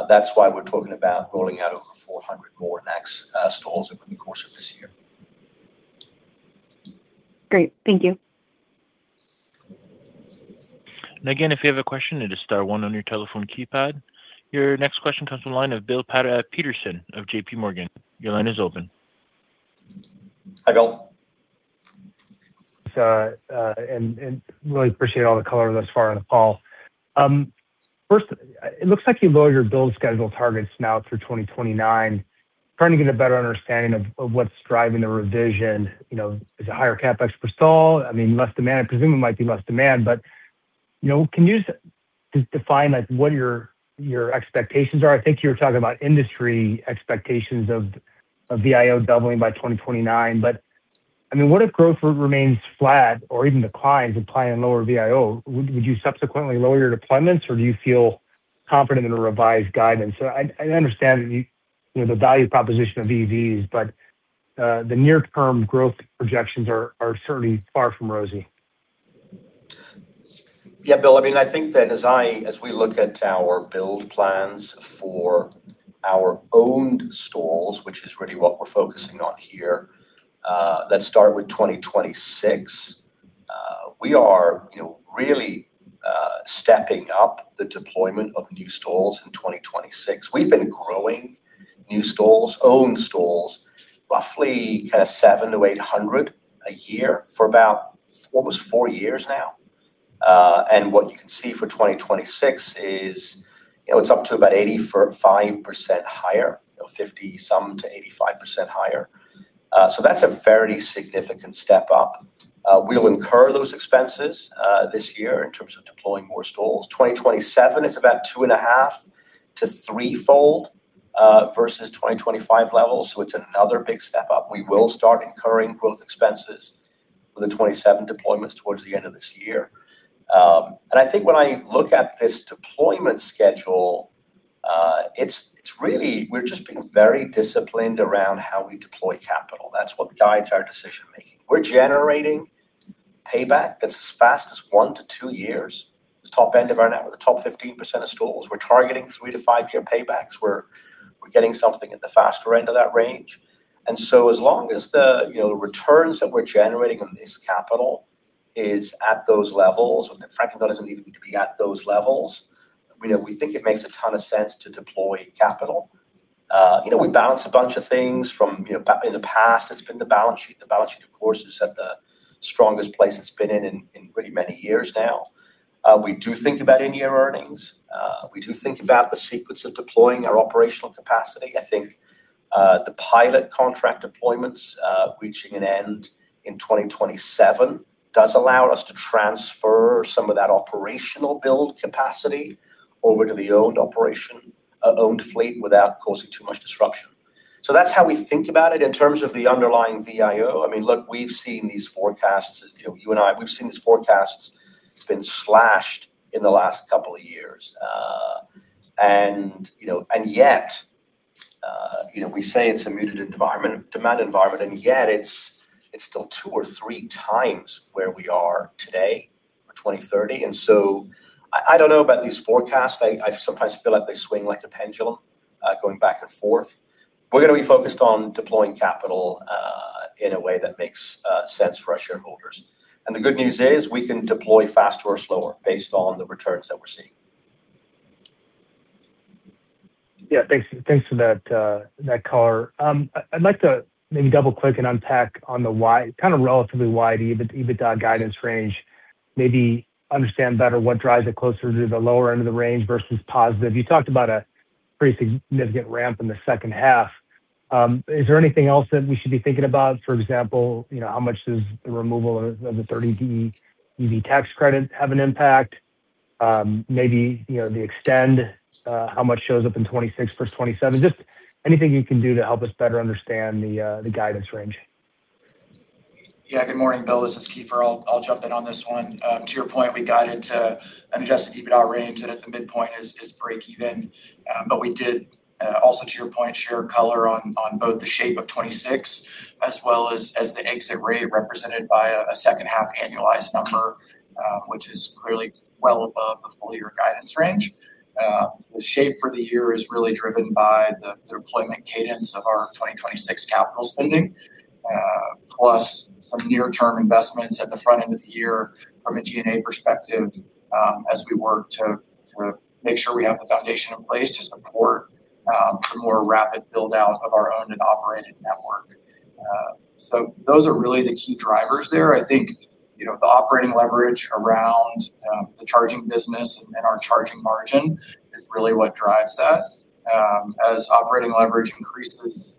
That's why we're talking about rolling out over 400 more NACS stalls over the course of this year. Great. Thank you. Again, if you have a question, it is star one on your telephone keypad. Your next question comes from the line of Bill Peterson of J.P. Morgan. Your line is open. Hi, Bill. Really appreciate all the color thus far on the call. First, it looks like you lowered your build schedule targets now through 2029. Trying to get a better understanding of what's driving the revision. You know, is it higher CapEx per stall? I mean, less demand. I presume it might be less demand. You know, can you just define, like, what your expectations are? I think you were talking about industry expectations of VIO doubling by 2029. I mean, what if growth rate remains flat or even declines implying lower VIO? Would you subsequently lower your deployments, or do you feel confident in a revised guidance? I understand you know, the value proposition of EVs, but the near-term growth projections are certainly far from rosy. Yeah, Bill, I mean, I think that as we look at our build plans for our owned stalls, which is really what we're focusing on here, let's start with 2026. We are, you know, really, stepping up the deployment of new stalls in 2026. We've been growing new stalls, owned stalls, roughly kinda 700-800 a year for about almost 4 years now. What you can see for 2026 is, you know, it's up to about 85% higher. You know, 50% some to 85% higher. That's a very significant step up. We'll incur those expenses, this year in terms of deploying more stalls. 2027 is about 2.5-fold to 3-fold, versus 2025 levels, it's another big step up. We will start incurring growth expenses for the 2027 deployments towards the end of this year. I think when I look at this deployment schedule, it's really we're just being very disciplined around how we deploy capital. That's what guides our decision-making. We're generating payback that's as fast as 1-2 years. The top end of our network, the top 15% of stalls. We're targeting 3-5-year paybacks. We're getting something at the faster end of that range. As long as the, you know, returns that we're generating on this capital is at those levels, and frankly, it doesn't even need to be at those levels, you know, we think it makes a ton of sense to deploy capital. You know, we balance a bunch of things from, you know, in the past, it's been the balance sheet. The balance sheet, of course, is at the strongest place it's been in pretty many years now. We do think about in-year earnings. We do think about the sequence of deploying our operational capacity. I think, the Pilot contract deployments, reaching an end in 2027 does allow us to transfer some of that operational build capacity over to the owned operation, owned fleet without causing too much disruption. That's how we think about it. In terms of the underlying VIO, I mean, look, we've seen these forecasts. You know, you and I, we've seen these forecasts. It's been slashed in the last couple of years. You know, and yet, you know, we say it's a muted environment, demand environment, and yet it's still two or three times where we are today for 2030. I don't know about these forecasts. I sometimes feel like they swing like a pendulum, going back and forth. We're gonna be focused on deploying capital, in a way that makes sense for our shareholders. The good news is we can deploy faster or slower based on the returns that we're seeing. Thanks for that color. I'd like to maybe double-click and unpack on the wide, kind of relatively wide EBITDA guidance range. Maybe understand better what drives it closer to the lower end of the range versus positive. You talked about a pretty significant ramp in the second half. Is there anything else that we should be thinking about? For example, you know, how much does the removal of the 30D EV tax credit have an impact? Maybe, you know, the extend how much shows up in 2026 versus 2027. Just anything you can do to help us better understand the guidance range. Good morning, Bill. This is Keefer. I'll jump in on this one. To your point, we guided to an adjusted EBITDA range that at the midpoint is break even. We did also to your point, share color on both the shape of 2026 as well as the exit rate represented by a second half annualized number, which is clearly well above the full year guidance range. The shape for the year is really driven by the deployment cadence of our 2026 capital spending plus some near-term investments at the front end of the year from a G&A perspective, as we work to make sure we have the foundation in place to support the more rapid build-out of our owned and operated network. Those are really the key drivers there. I think, you know, the operating leverage around the charging business and our charging margin is really what drives that. As operating leverage increases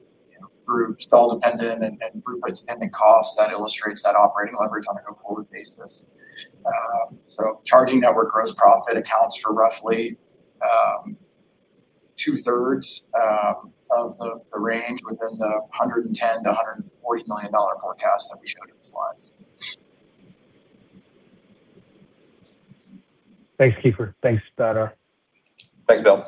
through stall dependent and throughput dependent costs, that illustrates that operating leverage on a go-forward basis. Charging network gross profit accounts for roughly 2/3 of the range within the $110 million-$140 million forecast that we showed in the slides. Thanks, Keefer. Thanks, Tadaw. Thanks, Bill.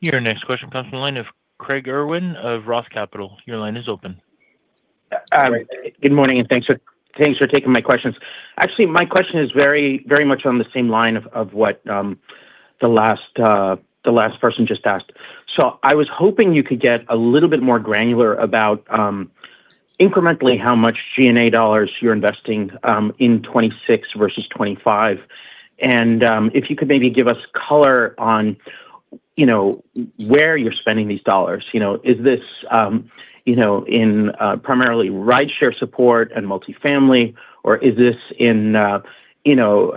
Your next question comes from the line of Craig Irwin of Roth Capital. Your line is open. All right. Good morning, and thanks for taking my questions. Actually, my question is very, very much on the same line of what the last person just asked. I was hoping you could get a little bit more granular about incrementally how much G&A dollars you're investing in 2026 versus 2025. If you could maybe give us color on, you know, where you're spending these dollars. You know, is this, you know, in primarily rideshare support and multifamily, or is this in, you know,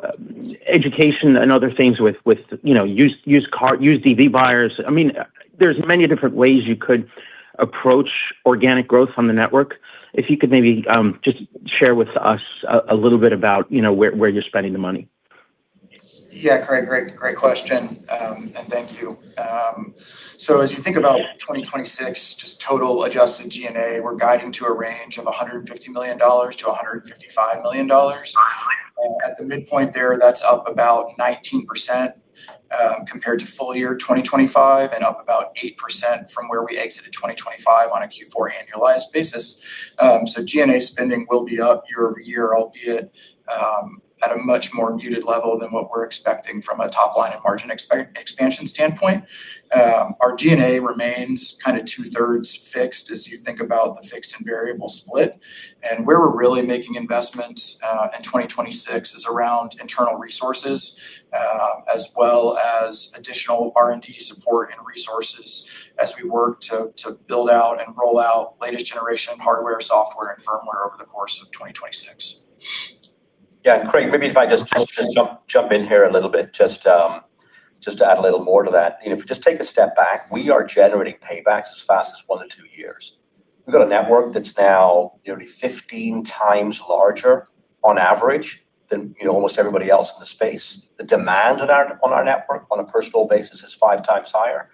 education and other things with, you know, used EV buyers? I mean, there's many different ways you could approach organic growth on the network. If you could maybe just share with us a little bit about, you know, where you're spending the money. Yeah, Craig. Great question. Thank you. As you think about 2026, just total adjusted G&A, we're guiding to a range of $150 million-$155 million. At the midpoint there, that's up about 19% compared to full year 2025 and up about 8% from where we exited 2025 on a Q4 annualized basis. G&A spending will be up year-over-year, albeit, at a much more muted level than what we're expecting from a top line and margin expansion standpoint. Our G&A remains kind of two-thirds fixed as you think about the fixed and variable split. Where we're really making investments, in 2026 is around internal resources, as well as additional R&D support and resources as we work to build out and roll out latest generation hardware, software, and firmware over the course of 2026. Yeah. Craig, maybe if I just jump in here a little bit just to add a little more to that. You know, if you just take a step back, we are generating paybacks as fast as 1-2 years. We've got a network that's now nearly 15 times larger on average than, you know, almost everybody else in the space. The demand on our, on our network on a personal basis is 5 times higher.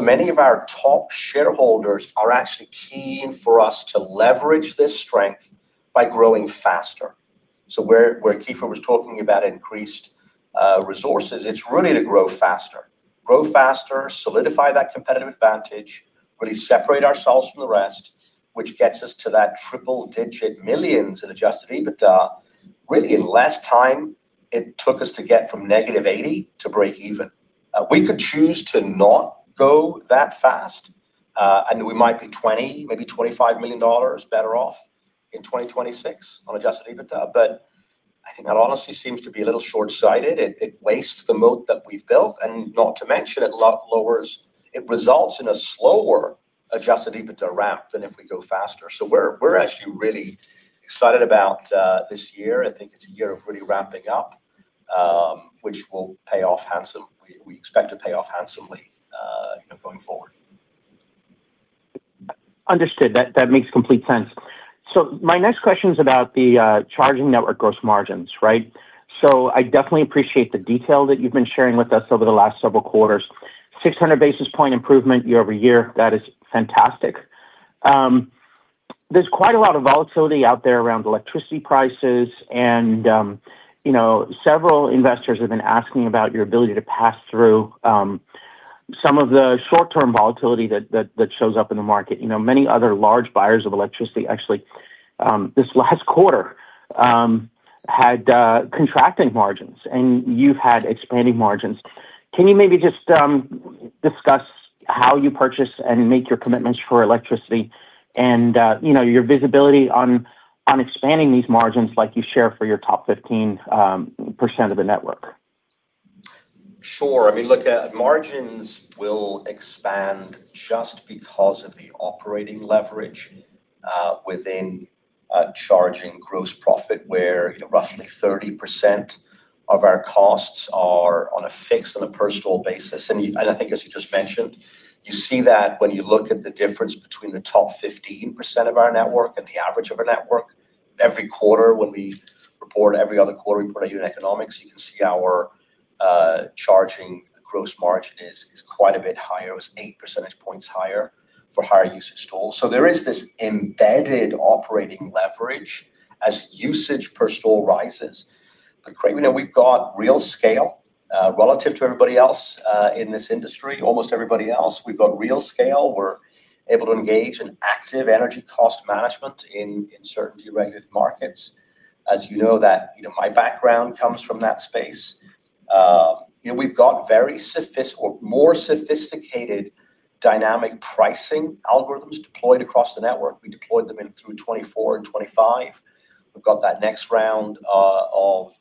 Many of our top shareholders are actually keen for us to leverage this strength by growing faster. Where Keith was talking about increased resources, it's really to grow faster. Grow faster, solidify that competitive advantage, really separate ourselves from the rest, which gets us to that triple digit millions in adjusted EBITDA really in less time it took us to get from negative 80 to break even. We could choose to not go that fast, and we might be $20 million, maybe $25 million better off in 2026 on adjusted EBITDA. I think that honestly seems to be a little short-sighted. It, it wastes the moat that we've built. Not to mention it results in a slower adjusted EBITDA ramp than if we go faster. We're actually really excited about this year. I think it's a year of really ramping up, which will pay off handsome. We expect to pay off handsomely, you know, going forward. Understood. That makes complete sense. My next question is about the charging network gross margins, right? I definitely appreciate the detail that you've been sharing with us over the last several quarters. 600 basis point improvement year-over-year. That is fantastic. There's quite a lot of volatility out there around electricity prices and, you know, several investors have been asking about your ability to pass through some of the short-term volatility that shows up in the market. You know, many other large buyers of electricity actually, this last quarter, had contracting margins, and you've had expanding margins. Can you maybe just discuss how you purchase and make your commitments for electricity and, you know, your visibility on expanding these margins like you share for your top 15% of the network? Sure. I mean, look, margins will expand just because of the operating leverage, within charging gross profit, where, you know, roughly 30% of our costs are on a fixed and a personal basis. I think as you just mentioned, you see that when you look at the difference between the top 15% of our network and the average of our network. Every quarter when we report, every other quarter we put our unit economics, you can see our, charging gross margin is quite a bit higher. It was 8 percentage points higher for higher usage stalls. There is this embedded operating leverage as usage per stall rises. Craig, we know we've got real scale, relative to everybody else, in this industry. Almost everybody else. We've got real scale. We're able to engage in active energy cost management in certain deregulated markets. As you know that, you know, my background comes from that space. You know, we've got more sophisticated dynamic pricing algorithms deployed across the network. We deployed them in through 2024 and 2025. We've got that next round, of.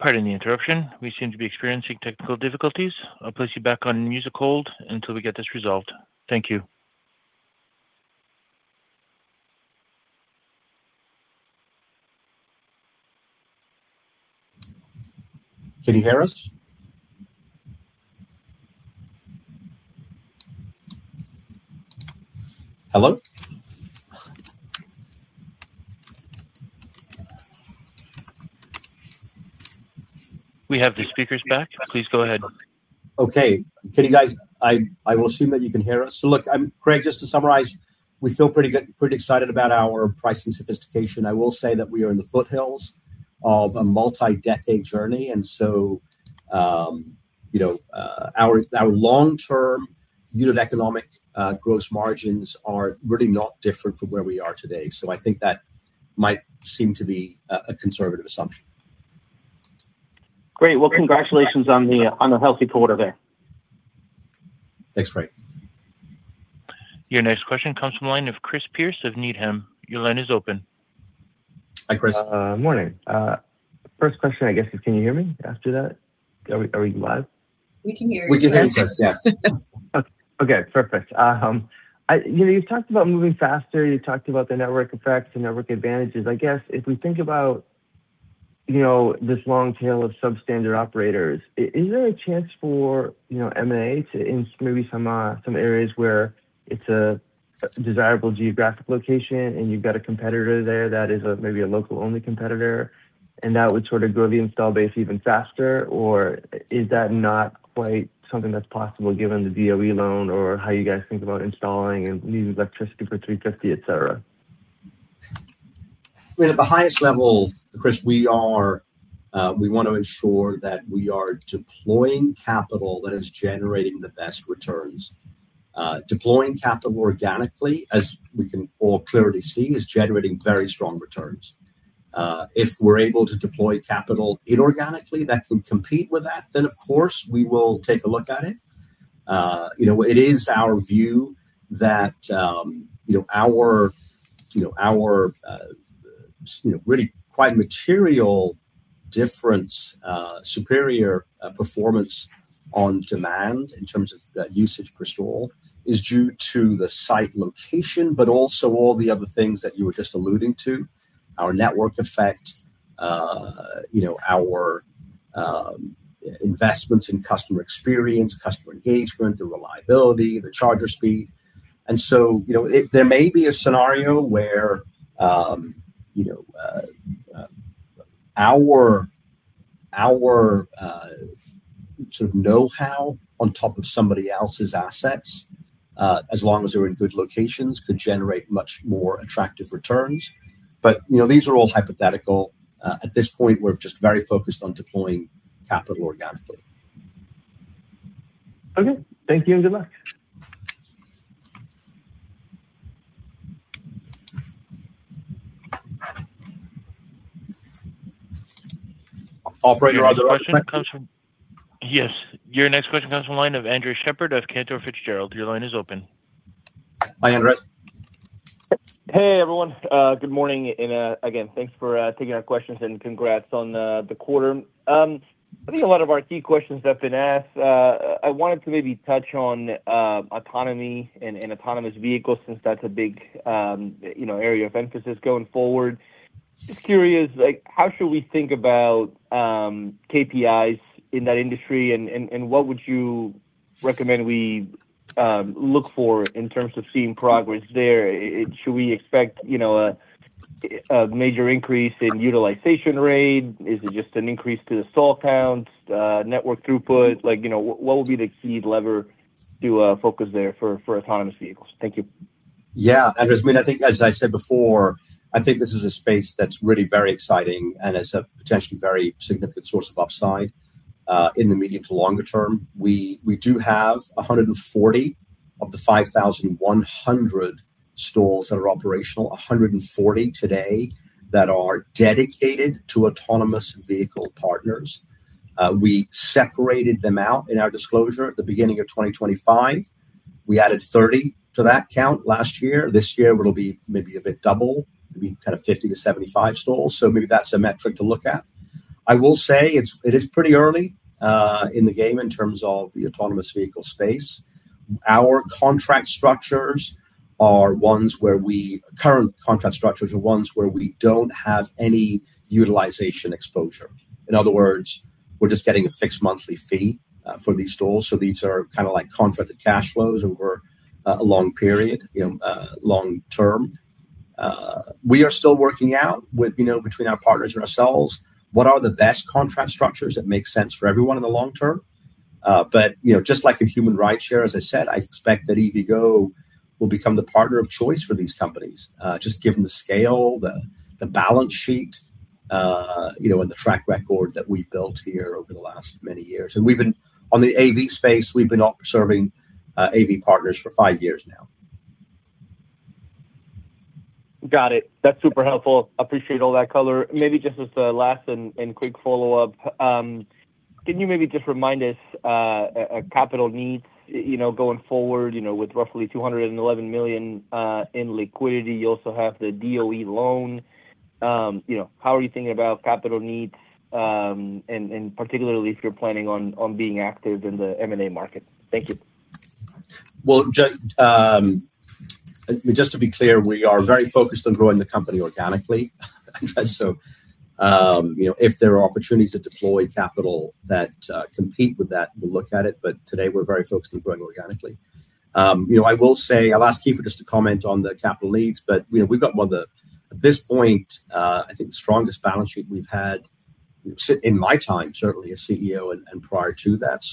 Pardon the interruption. We seem to be experiencing technical difficulties. I'll place you back on music hold until we get this resolved. Thank you. Can you hear us? Hello? We have the speakers back. Please go ahead. Okay. Can you guys, I will assume that you can hear us. Look, Craig, just to summarize, we feel pretty good, pretty excited about our pricing sophistication. I will say that we are in the foothills of a multi-decade journey. you know, our long term unit economic gross margins are really not different from where we are today. I think that might seem to be a conservative assumption. Great. Well, congratulations on the healthy quarter there. Thanks, Frank. Your next question comes from the line of Chris Pierce of Needham. Your line is open. Hi, Chris. Morning. First question, I guess is can you hear me after that? Are we live? We can hear you. We can hear you, Chris. Yes. Okay. Perfect. you know, you've talked about moving faster. You talked about the network effects and network advantages. I guess if we think about, you know, this long tail of substandard operators, is there a chance for, you know, M&A to maybe some areas where it's a desirable geographic location and you've got a competitor there that is a maybe a local only competitor, and that would sort of grow the install base even faster? Or is that not quite something that's possible given the DOE loan or how you guys think about installing and using electricity for 350, et cetera? I mean, at the highest level, Chris, we are, we wanna ensure that we are deploying capital that is generating the best returns. Deploying capital organically, as we can all clearly see, is generating very strong returns. If we're able to deploy capital inorganically that can compete with that, of course, we will take a look at it. You know, it is our view that, you know, our, you know, our, you know, really quite material difference, superior performance on demand in terms of the usage per stall is due to the site location, but also all the other things that you were just alluding to, our network effect, you know, our investments in customer experience, customer engagement, the reliability, the charger speed. You know, if there may be a scenario where, you know, our, sort of know-how on top of somebody else's assets, as long as they're in good locations, could generate much more attractive returns. You know, these are all hypothetical. At this point, we're just very focused on deploying capital organically. Okay. Thank you and good luck. Operator- Yes. Your next question comes from the line of Andres Sheppard of Cantor Fitzgerald. Your line is open. Hi, Andres. Hey, everyone. Good morning. Again, thanks for taking our questions and congrats on the quarter. I think a lot of our key questions have been asked. I wanted to maybe touch on autonomy and autonomous vehicles since that's a big, you know, area of emphasis going forward. Just curious, like how should we think about KPIs in that industry and what would you recommend we look for in terms of seeing progress there? Should we expect, you know, a major increase in utilization rate? Is it just an increase to the stall counts, network throughput? Like, you know, what would be the key lever to focus there for autonomous vehicles? Thank you. Andres, I mean, I think as I said before, I think this is a space that's really very exciting and has a potentially very significant source of upside in the medium to longer term. We do have 140 of the 5,100 stalls that are operational, 140 today that are dedicated to autonomous vehicle partners. We separated them out in our disclosure at the beginning of 2025. We added 30 to that count last year. This year, it'll be maybe a bit double, maybe kind of 50-75 stalls. Maybe that's a metric to look at. I will say it is pretty early in the game in terms of the autonomous vehicle space. Our contract structures are ones where current contract structures are ones where we don't have any utilization exposure. In other words, we're just getting a fixed monthly fee for these stalls. These are kinda like contracted cash flows over a long period, you know, long term. We are still working out with, you know, between our partners and ourselves what are the best contract structures that make sense for everyone in the long term. Just like in human rideshare, as I said, I expect that EVgo will become the partner of choice for these companies, just given the scale, the balance sheet, you know, and the track record that we've built here over the last many years. We've been on the AV space, we've been serving AV partners for five years now. Got it. That's super helpful. Appreciate all that color. Maybe just as a last and quick follow-up, can you maybe just remind us, capital needs, you know, going forward, you know, with roughly $211 million in liquidity? You also have the DOE loan. You know, how are you thinking about capital needs, and particularly if you're planning on being active in the M&A market? Thank you. Well, just to be clear, we are very focused on growing the company organically. You know, if there are opportunities to deploy capital that compete with that, we'll look at it. Today we're very focused on growing organically. You know, I will say, I'll ask Keith just to comment on the capital needs, but, you know, we've got one of the, at this point, I think the strongest balance sheet we've had, you know, sit in my time, certainly as CEO and prior to that.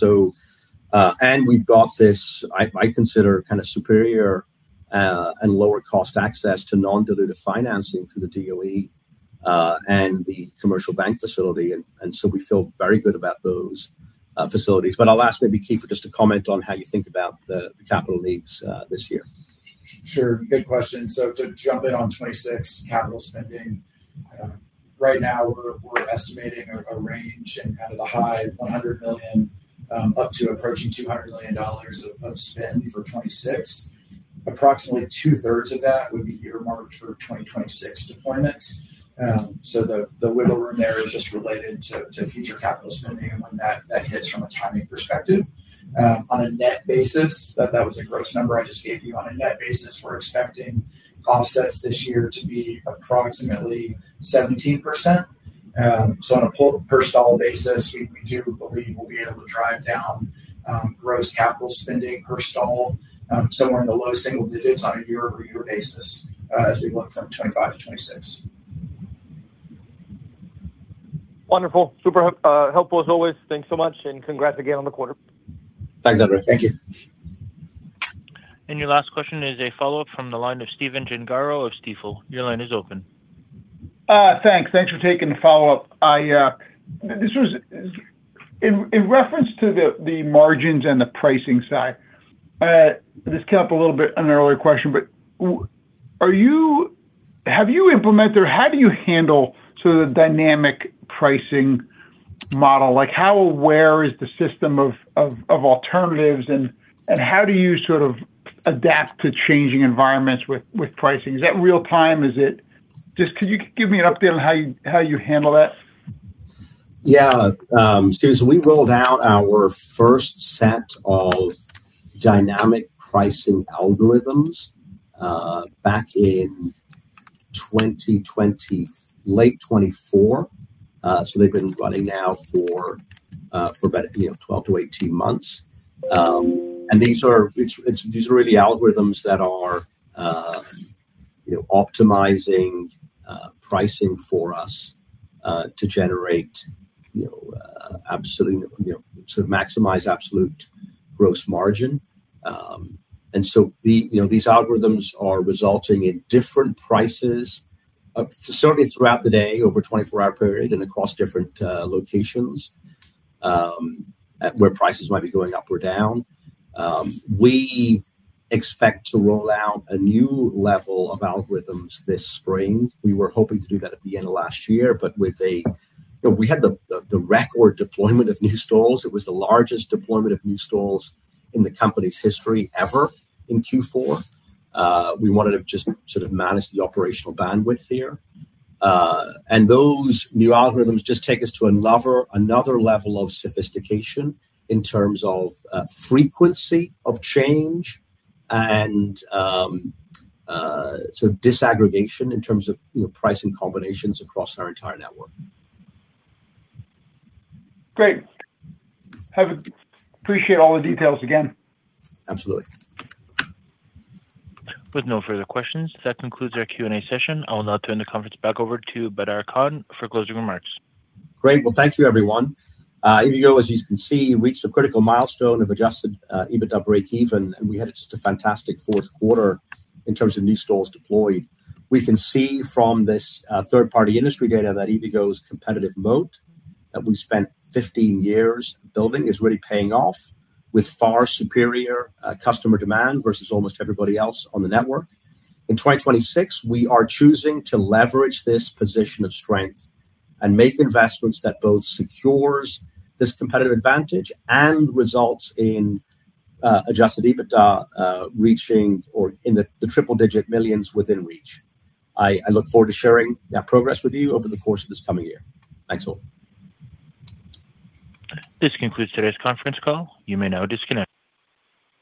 we've got this, I consider kinda superior and lower cost access to non-dilutive financing through the DOE and the commercial bank facility. we feel very good about those facilities. I'll ask maybe Keith just to comment on how you think about the capital needs this year. Sure. Good question. To jump in on 2026 capital spending. Right now we're estimating a range in kind of the high $100 million up to approaching $200 million of spend for 2026. Approximately two-thirds of that would be earmarked for 2026 deployments. The wiggle room there is just related to future capital spending and when that hits from a timing perspective. On a net basis, that was a gross number I just gave you. On a net basis, we're expecting offsets this year to be approximately 17%. On a per stall basis, we do believe we'll be able to drive down gross capital spending per stall somewhere in the low single digits on a year-over-year basis as we look from 2025 to 2026. Wonderful. Super helpful as always. Thanks so much, and congrats again on the quarter. Thanks, Andres. Thank you. Your last question is a follow-up from the line of Stephen Gengaro of Stifel. Your line is open. Thanks. Thanks for taking the follow-up. This was in reference to the margins and the pricing side. This came up a little bit in an earlier question, but have you implemented or how do you handle sort of the dynamic pricing model? Like how aware is the system of alternatives and how do you sort of adapt to changing environments with pricing? Is that real time? Is it? Just could you give me an update on how you, how you handle that? Stephen, we rolled out our first set of dynamic pricing algorithms back in late 2024. They've been running now for about, you know, 12 to 18 months. These are really algorithms that are, you know, optimizing pricing for us to generate, you know, absolute, you know, to NACSimize absolute gross margin. The, you know, these algorithms are resulting in different prices, certainly throughout the day over a 24-hour period and across different locations, where prices might be going up or down. We expect to roll out a new level of algorithms this spring. We were hoping to do that at the end of last year, but with a... You know, we had the record deployment of new stalls. It was the largest deployment of new stalls in the company's history ever in Q4. We wanted to just sort of manage the operational bandwidth here. Those new algorithms just take us to another level of sophistication in terms of frequency of change and sort of disaggregation in terms of, you know, pricing combinations across our entire network. Great. Appreciate all the details again. Absolutely. With no further questions, that concludes our Q&A session. I will now turn the conference back over to Badar Khan for closing remarks. Great. Well, thank you everyone. EVgo, as you can see, reached a critical milestone of adjusted EBITDA breakeven, and we had just a fantastic fourth quarter in terms of new stalls deployed. We can see from this third party industry data that EVgo's competitive moat that we spent 15 years building is really paying off with far superior customer demand versus almost everybody else on the network. In 2026, we are choosing to leverage this position of strength and make investments that both secures this competitive advantage and results in adjusted EBITDA reaching or in the triple digit millions within reach. I look forward to sharing that progress with you over the course of this coming year. Thanks all. This concludes today's conference call. You may now disconnect.